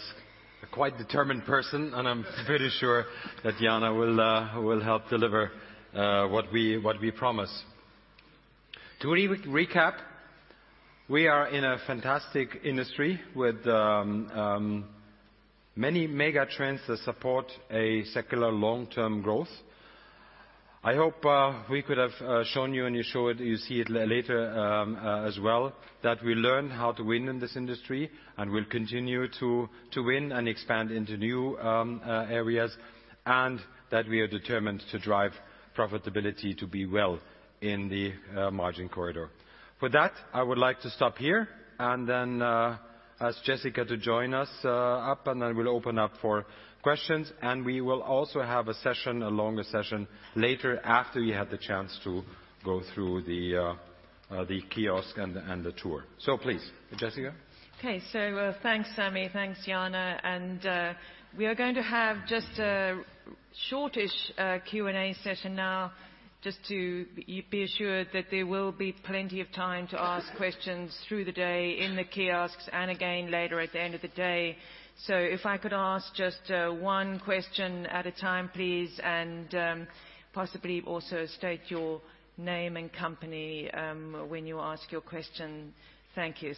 a quite determined person, and I'm pretty sure that Jaana will help deliver what we promise. To recap, we are in a fantastic industry with many megatrends that support a secular long-term growth. I hope we could have shown you, and you see it later as well, that we learn how to win in this industry, and we'll continue to win and expand into new areas, and that we are determined to drive profitability to be well in the margin corridor. For that, I would like to stop here and then ask Jessica to join us up, and I will open up for questions. We will also have a session, a longer session later after you had the chance to go through the kiosk and the tour. Please, Jessica. Okay. Thanks, Sami. Thanks, Jaana. We are going to have just a shortish Q&A session now. Just to be assured that there will be plenty of time to ask questions through the day in the kiosks and again later at the end of the day. If I could ask just one question at a time, please, and possibly also state your name and company when you ask your question. Thank you.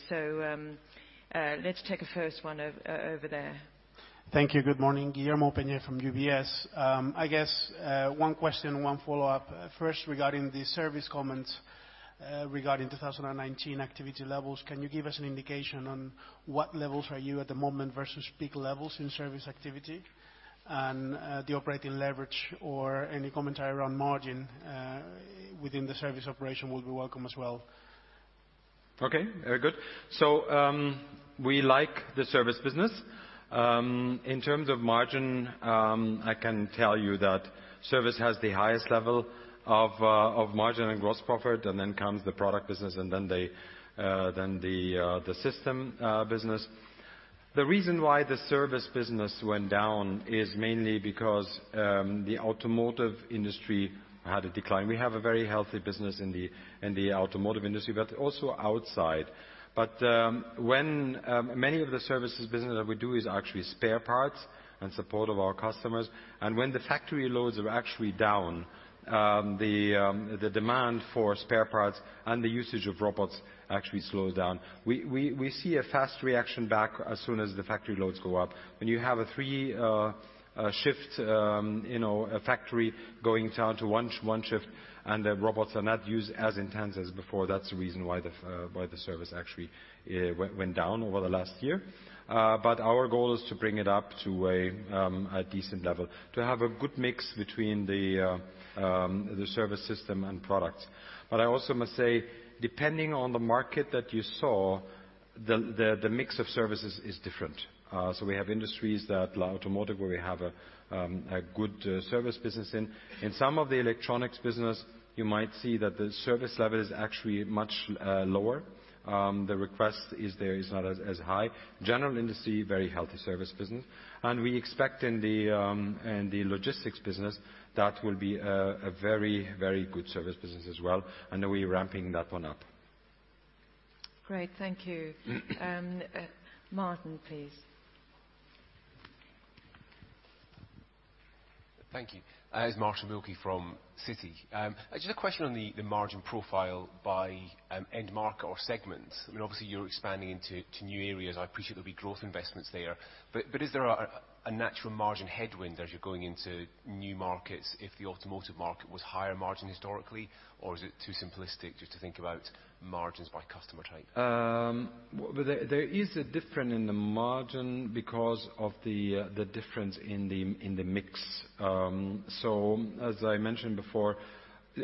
Let's take the first one over there. Thank you. Good morning. Guillermo Peigneux from UBS. I guess one question, one follow-up. First, regarding the service comments regarding 2019 activity levels, can you give us an indication on what levels are you at the moment versus peak levels in service activity? The operating leverage or any commentary around margin within the service operation will be welcome as well. Okay. Very good. We like the service business. In terms of margin, I can tell you that service has the highest level of margin and gross profit, and then comes the product business, and then the system business. The reason why the service business went down is mainly because the automotive industry had a decline. We have a very healthy business in the automotive industry, but also outside. Many of the services business that we do is actually spare parts and support of our customers. When the factory loads are actually down, the demand for spare parts and the usage of robots actually slows down. We see a fast reaction back as soon as the factory loads go up. When you have a three-shift factory going down to one shift, and the robots are not used as intense as before, that's the reason why the service actually went down over the last year. Our goal is to bring it up to a decent level, to have a good mix between the service system and product. I also must say, depending on the market that you saw, the mix of services is different. We have industries like automotive where we have a good service business in. In some of the electronics business, you might see that the service level is actually much lower. The request is there, it's not as high. General industry, very healthy service business. We expect in the logistics business, that will be a very, very good service business as well, and we are ramping that one up. Great. Thank you. Martin, please. Thank you. It's Martin Wilkie from Citi. Just a question on the margin profile by end market or segment. Obviously, you're expanding into new areas. I appreciate there'll be growth investments there. Is there a natural margin headwind as you're going into new markets if the automotive market was higher margin historically, or is it too simplistic just to think about margins by customer type? There is a difference in the margin because of the difference in the mix. As I mentioned before,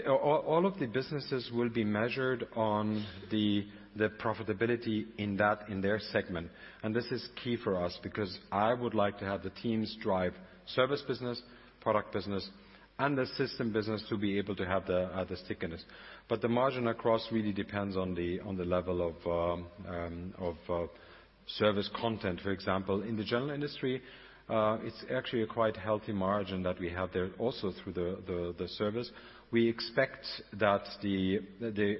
all of the businesses will be measured on the profitability in their segment. This is key for us, because I would like to have the teams drive service business, product business, and the system business to be able to have the thickness. The margin across really depends on the level of service content. For example, in the general industry, it's actually a quite healthy margin that we have there also through the service. We expect that the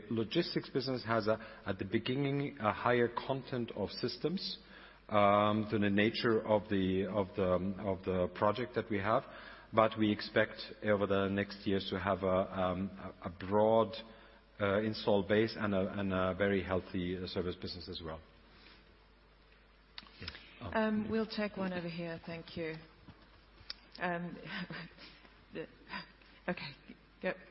logistics business has, at the beginning, a higher content of systems than the nature of the project that we have. We expect over the next years to have a broad install base and a very healthy service business as well. We'll take one over here. Thank you. Okay. Yep. *inaudible*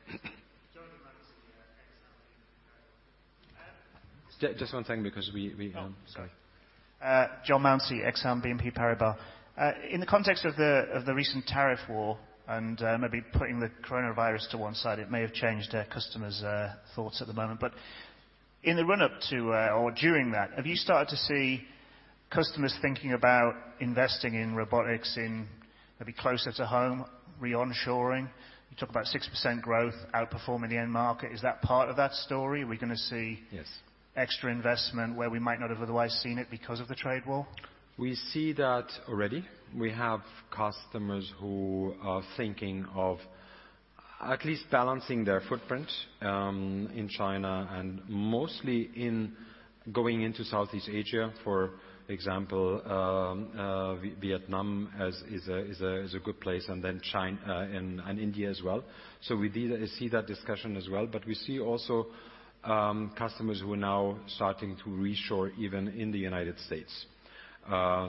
Just one thing because. Sorry. Jonathan Mounsey, Exane BNP Paribas. In the context of the recent tariff war and maybe putting the coronavirus to one side, it may have changed customers' thoughts at the moment. In the run-up to or during that, have you started to see customers thinking about investing in robotics in maybe closer to home re-onshoring? You talk about 6% growth outperforming the end market. Is that part of that story? Are we going to see- Yes Extra investment where we might not have otherwise seen it because of the trade war? We see that already. We have customers who are thinking of at least balancing their footprint in China and mostly in going into Southeast Asia, for example, Vietnam is a good place, and then India as well. We see that discussion as well. We see also customers who are now starting to reshore even in the U.S.,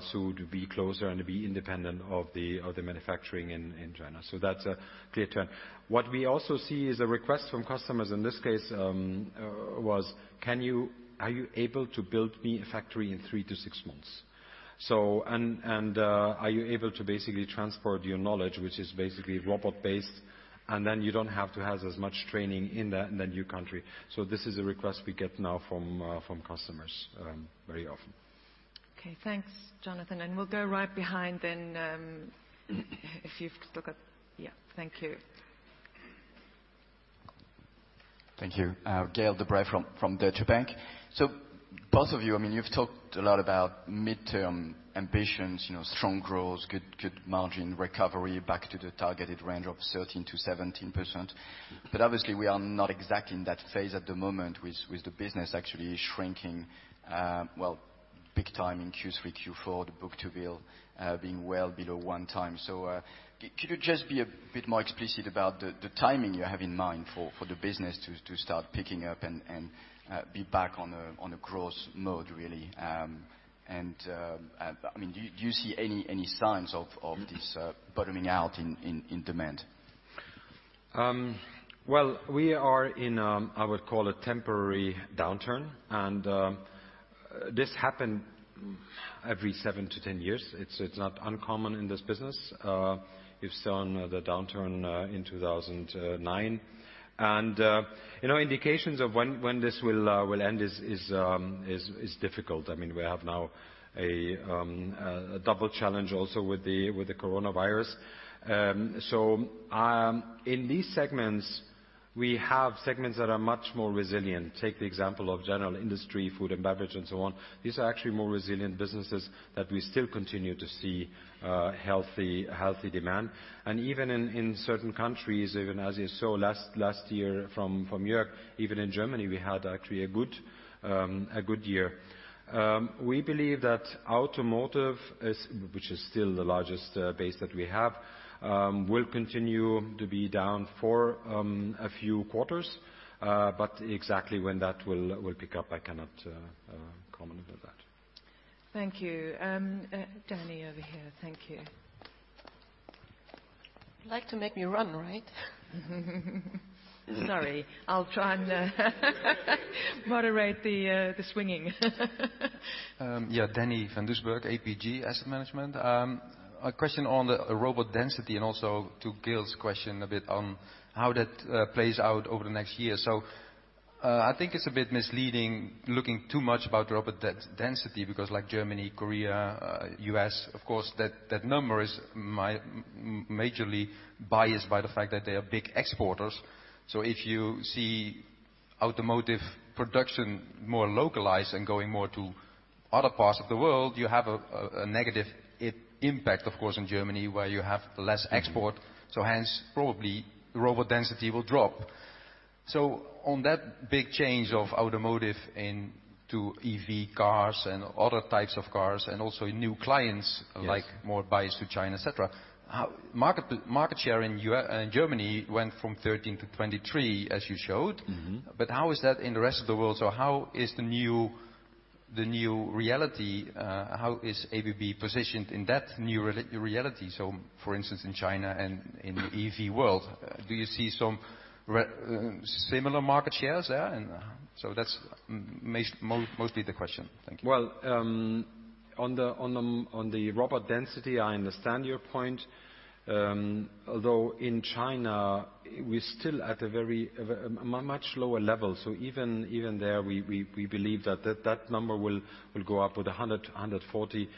to be closer and to be independent of the manufacturing in China. That's a clear turn. What we also see is a request from customers, in this case, was, "Are you able to build me a factory in three to six months? Are you able to basically transport your knowledge, which is basically robot-based, and then you don't have to have as much training in the new country?" This is a request we get now from customers very often. Okay. Thanks, Jonathan. We'll go right behind then. Yeah. Thank you. Thank you. Gael De-Bray from Deutsche Bank. Both of you've talked a lot about mid-term ambitions, strong growth, good margin recovery back to the targeted range of 13%-17%. Obviously we are not exactly in that phase at the moment with the business actually shrinking well, big time in Q3, Q4, the book-to-bill being well below one time. Could you just be a bit more explicit about the timing you have in mind for the business to start picking up and be back on a growth mode really? Do you see any signs of this bottoming out in demand? Well, we are in a, I would call a temporary downturn, and this happen every 7-10 years. It's not uncommon in this business. You've seen the downturn in 2009. Indications of when this will end is difficult. We have now a double challenge also with the coronavirus. In these segments, we have segments that are much more resilient. Take the example of general industry, food and beverage and so on. These are actually more resilient businesses that we still continue to see healthy demand. Even in certain countries, even as you saw last year from Jörg, even in Germany, we had actually a good year. We believe that automotive, which is still the largest base that we have, will continue to be down for a few quarters. Exactly when that will pick up, I cannot comment about that. Thank you. Danny, over here. Thank you. You like to make me run, right? Sorry. I'll try and moderate the swinging. Danny van Doesburg, APG Asset Management. A question on the robot density and also to Gael's question a bit on how that plays out over the next year. I think it's a bit misleading looking too much about robot density because like Germany, Korea, U.S., of course, that number is majorly biased by the fact that they are big exporters. If you see automotive production more localized and going more to other parts of the world, you have a negative impact, of course, in Germany, where you have less export. Hence probably robot density will drop. On that big change of automotive into EV cars and other types of cars, and also in new clients like more bias to China, et cetera. Market share in Germany went from 13-23, as you showed. How is that in the rest of the world? How is the new reality, how is ABB positioned in that new reality? For instance, in China and in the EV world, do you see some similar market shares there? That's mostly the question. Thank you. Well, on the robot density, I understand your point. Although in China, we're still at a much lower level. Even there, we believe that that number will go up with 100 to 140.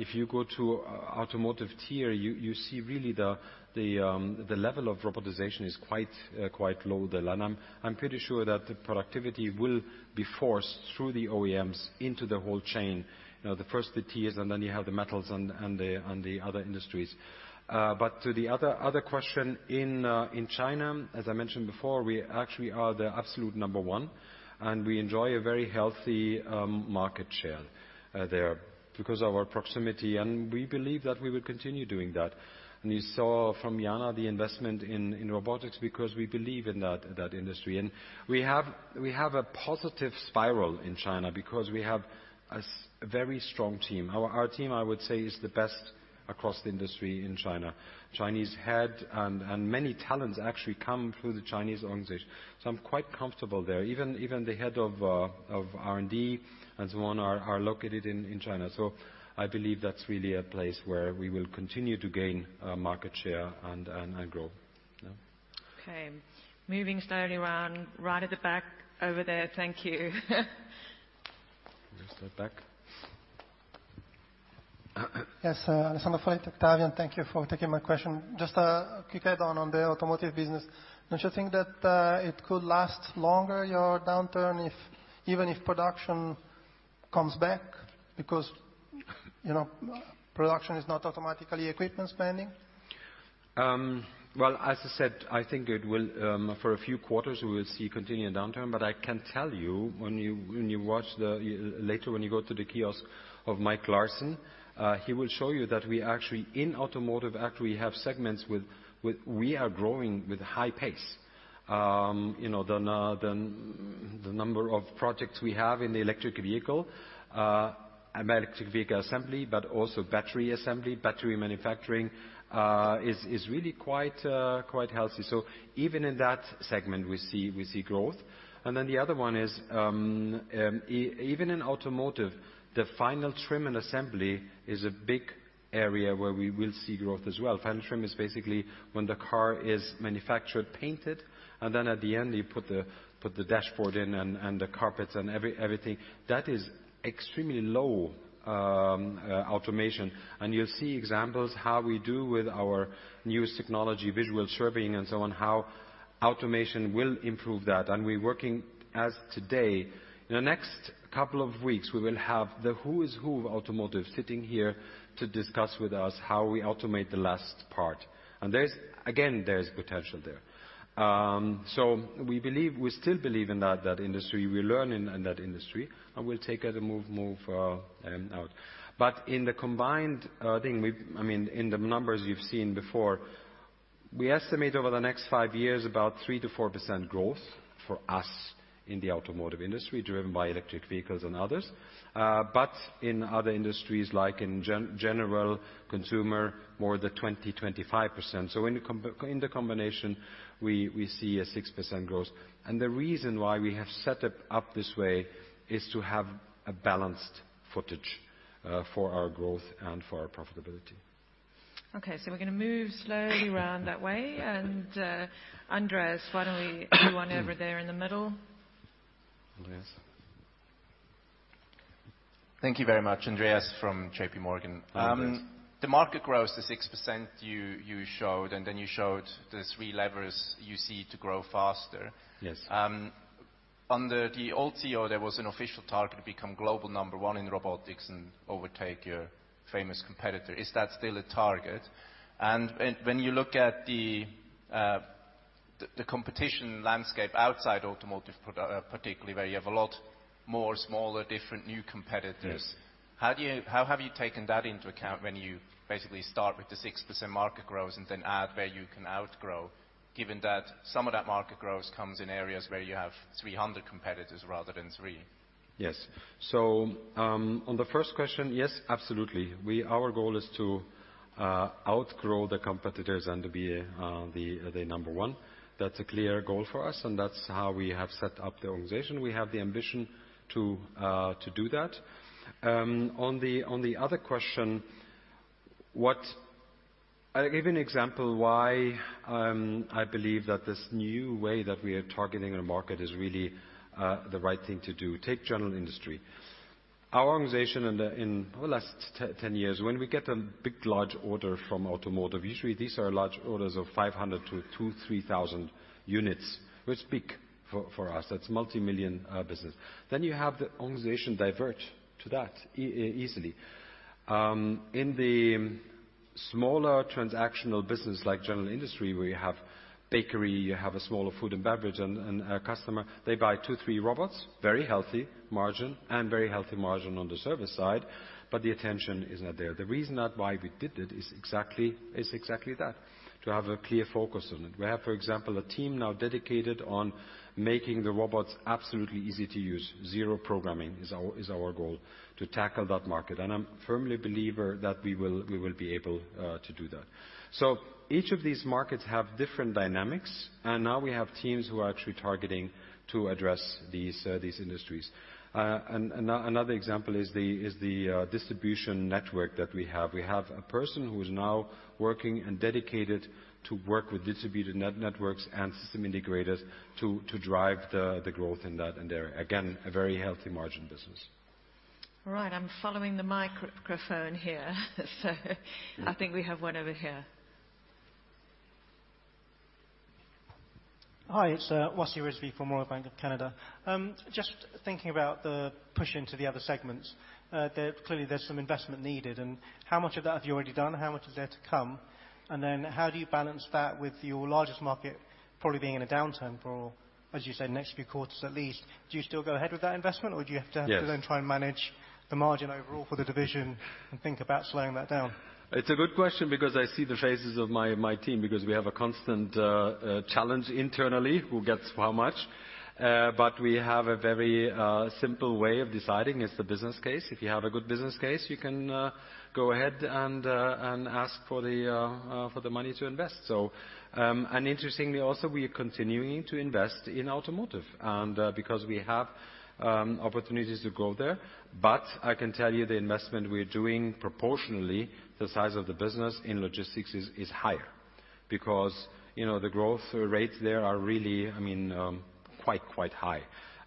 If you go to automotive tier, you see really the level of robotization is quite low there. I'm pretty sure that the productivity will be forced through the OEMs into the whole chain. First the tiers, then you have the metals and the other industries. To the other question, in China, as I mentioned before, we actually are the absolute number one, and we enjoy a very healthy market share there because our proximity, and we believe that we will continue doing that. You saw from Jaana the investment in robotics because we believe in that industry. We have a positive spiral in China because we have a very strong team. Our team, I would say, is the best across the industry in China. Chinese head and many talents actually come through the Chinese organization. I'm quite comfortable there. Even the head of R&D and so on are located in China. I believe that's really a place where we will continue to gain market share and grow. Okay. Moving slowly around. Right at the back over there. Thank you. Let's start back. Yes. Alessandro Foletti, Octavian. Thank you for taking my question. Just a quick add-on on the automotive business. Don't you think that it could last longer, your downturn even if production comes back? Because production is not automatically equipment spending. As I said, I think for a few quarters, we will see continued downturn, but I can tell you, later when you go to the kiosk of Michael Larsson, he will show you that in automotive, we have segments where we are growing with high pace. The number of projects we have in the electric vehicle assembly, but also battery assembly, battery manufacturing, is really quite healthy. Even in that segment, we see growth. The other one is, even in automotive, the final trim and assembly is a big area where we will see growth as well. Final trim is basically when the car is manufactured, painted, and then at the end you put the dashboard in and the carpets and everything. That is extremely low automation. You'll see examples how we do with our newest technology, visual surveying and so on, how automation will improve that. We're working as of today. In the next couple of weeks, we will have the who's who of automotive sitting here to discuss with us how we automate the last part. Again, there is potential there. We still believe in that industry. We learn in that industry, we'll take it and move out. In the combined thing, in the numbers you've seen before, we estimate over the next five years about 3%-4% growth for us in the automotive industry, driven by electric vehicles and others. In other industries, like in general consumer, more the 20%-25%. In the combination, we see a 6% growth. The reason why we have set it up this way is to have a balanced footing for our growth and for our profitability. Okay. We're going to move slowly around that way. Andreas, why don't we do one over there in the middle? Andreas. Thank you very much. Andreas from JPMorgan. The market growth is 6% you showed, and then you showed the three levers you see to grow faster. Yes. Under the old CEO, there was an official target to become global number one in robotics and overtake your famous competitor. Is that still a target? When you look at the competition landscape outside automotive, particularly where you have a lot more smaller, different new competitors. How have you taken that into account when you basically start with the 6% market growth and then add where you can outgrow, given that some of that market growth comes in areas where you have 300 competitors rather than three? Yes. On the first question, yes, absolutely. Our goal is to outgrow the competitors and to be the number one. That's a clear goal for us, and that's how we have set up the organization. We have the ambition to do that. On the other question, I'll give you an example why I believe that this new way that we are targeting our market is really the right thing to do. Take general industry. Our organization in the last 10 years, when we get a big large order from automotive, usually these are large orders of 500-2,000, 3,000 units, which is big for us. That's multimillion business. You have the organization divert to that easily. In the smaller transactional business like general industry, where you have bakery, you have a smaller food and beverage, and a customer, they buy two, three robots, very healthy margin and very healthy margin on the service side, but the attention is not there. The reason why we did it is exactly that, to have a clear focus on it. We have, for example, a team now dedicated on making the robots absolutely easy to use. Zero programming is our goal to tackle that market, and I'm firmly a believer that we will be able to do that. Each of these markets have different dynamics, and now we have teams who are actually targeting to address these industries. Another example is the distribution network that we have. We have a person who is now working and dedicated to work with distributed networks and system integrators to drive the growth in that area. Again, a very healthy margin business. All right. I'm following the microphone here. I think we have one over here. Hi, it's Wasi Rizvi from Royal Bank of Canada. Just thinking about the push into the other segments, clearly there's some investment needed. How much of that have you already done? How much is there to come? How do you balance that with your largest market probably being in a downturn for, as you said, next few quarters at least? Do you still go ahead with that investment? Yes Try and manage the margin overall for the division and think about slowing that down? It's a good question because I see the faces of my team, because we have a constant challenge internally, who gets how much. We have a very simple way of deciding. It's the business case. If you have a good business case, you can go ahead and ask for the money to invest. Interestingly, also, we are continuing to invest in automotive, and because we have opportunities to grow there. I can tell you the investment we're doing proportionally the size of the business in logistics is higher. The growth rates there are really quite high.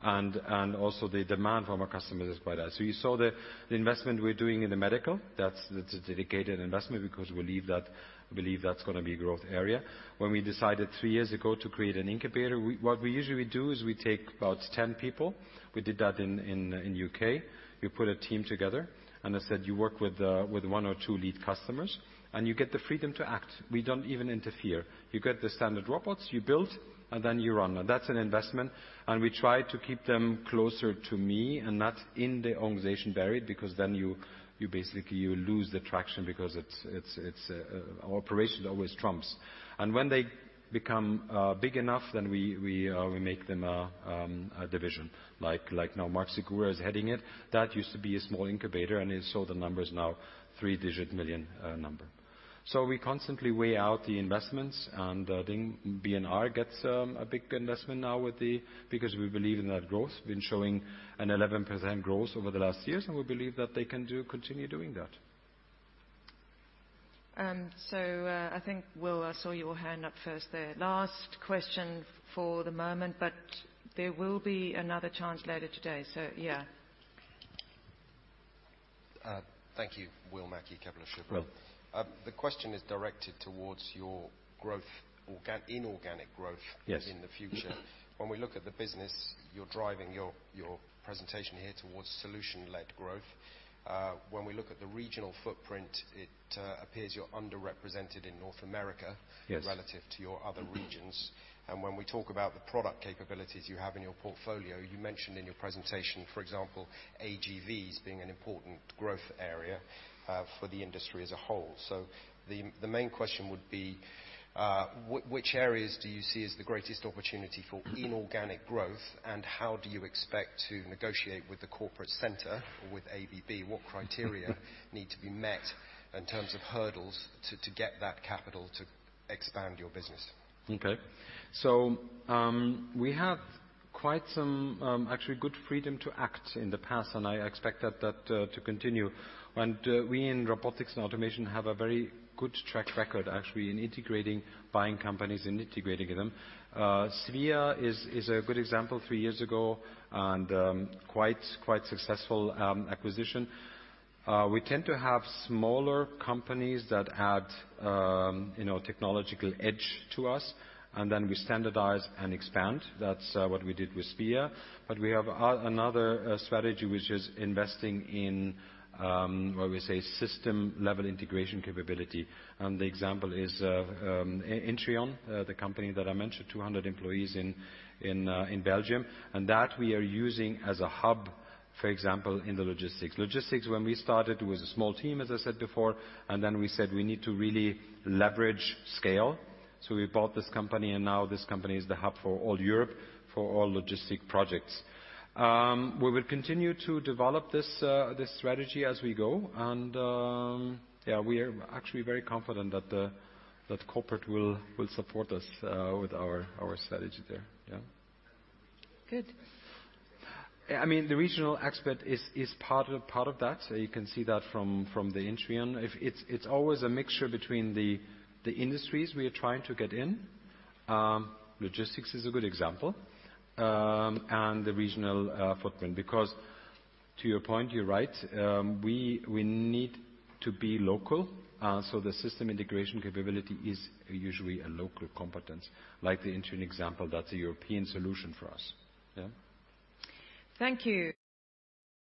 Also, the demand from our customers is by that. You saw the investment we're doing in the medical, that's the dedicated investment because we believe that's going to be a growth area. When we decided three years ago to create an incubator, what we usually do is we take about 10 people. We did that in U.K. You put a team together, and I said you work with one or two lead customers, and you get the freedom to act. We don't even interfere. You get the standard robots, you build, and then you run. Now that's an investment, and we try to keep them closer to me and not in the organization buried, because then basically you lose the traction because operations always trumps. When they become big enough, then we make them a division. Like now Marc Segura is heading it. That used to be a small incubator, the number is now three-digit million number. We constantly weigh out the investments, and I think B&R gets a big investment now because we believe in that growth. Been showing an 11% growth over the last years, and we believe that they can continue doing that. I think, Will, I saw your hand up first there. Last question for the moment, but there will be another chance later today. Yeah. Thank you. Will Mackie, Kepler Cheuvreux. The question is directed towards your inorganic growth in the future. When we look at the business, you're driving your presentation here towards solution-led growth. When we look at the regional footprint, it appears you're underrepresented in North America relative to your other regions. When we talk about the product capabilities you have in your portfolio, you mentioned in your presentation, for example, AGVs being an important growth area for the industry as a whole. The main question would be, which areas do you see as the greatest opportunity for inorganic growth, and how do you expect to negotiate with the corporate center or with ABB? What criteria need to be met in terms of hurdles to get that capital to expand your business? Okay. We have quite some actually good freedom to act in the past, and I expect that to continue. We in robotics and automation have a very good track record, actually, in buying companies and integrating them. SVIA is a good example, three years ago, and quite successful acquisition. We tend to have smaller companies that add technological edge to us, and then we standardize and expand. That's what we did with SVIA. We have another strategy which is investing in, what we say, system-level integration capability. The example is Intrion, the company that I mentioned, 200 employees in Belgium. That we are using as a hub, for example, in the logistics. Logistics, when we started, it was a small team, as I said before. We said we need to really leverage scale. We bought this company, and now this company is the hub for all Europe, for all logistic projects. We will continue to develop this strategy as we go. We are actually very confident that Corporate will support us with our strategy there. Good. The regional aspect is part of that. You can see that from the Intrion. It's always a mixture between the industries we are trying to get in, logistics is a good example, and the regional footprint. To your point, you're right, we need to be local. The system integration capability is usually a local competence. Like the Intrion example, that's a European solution for us, yeah. Thank you.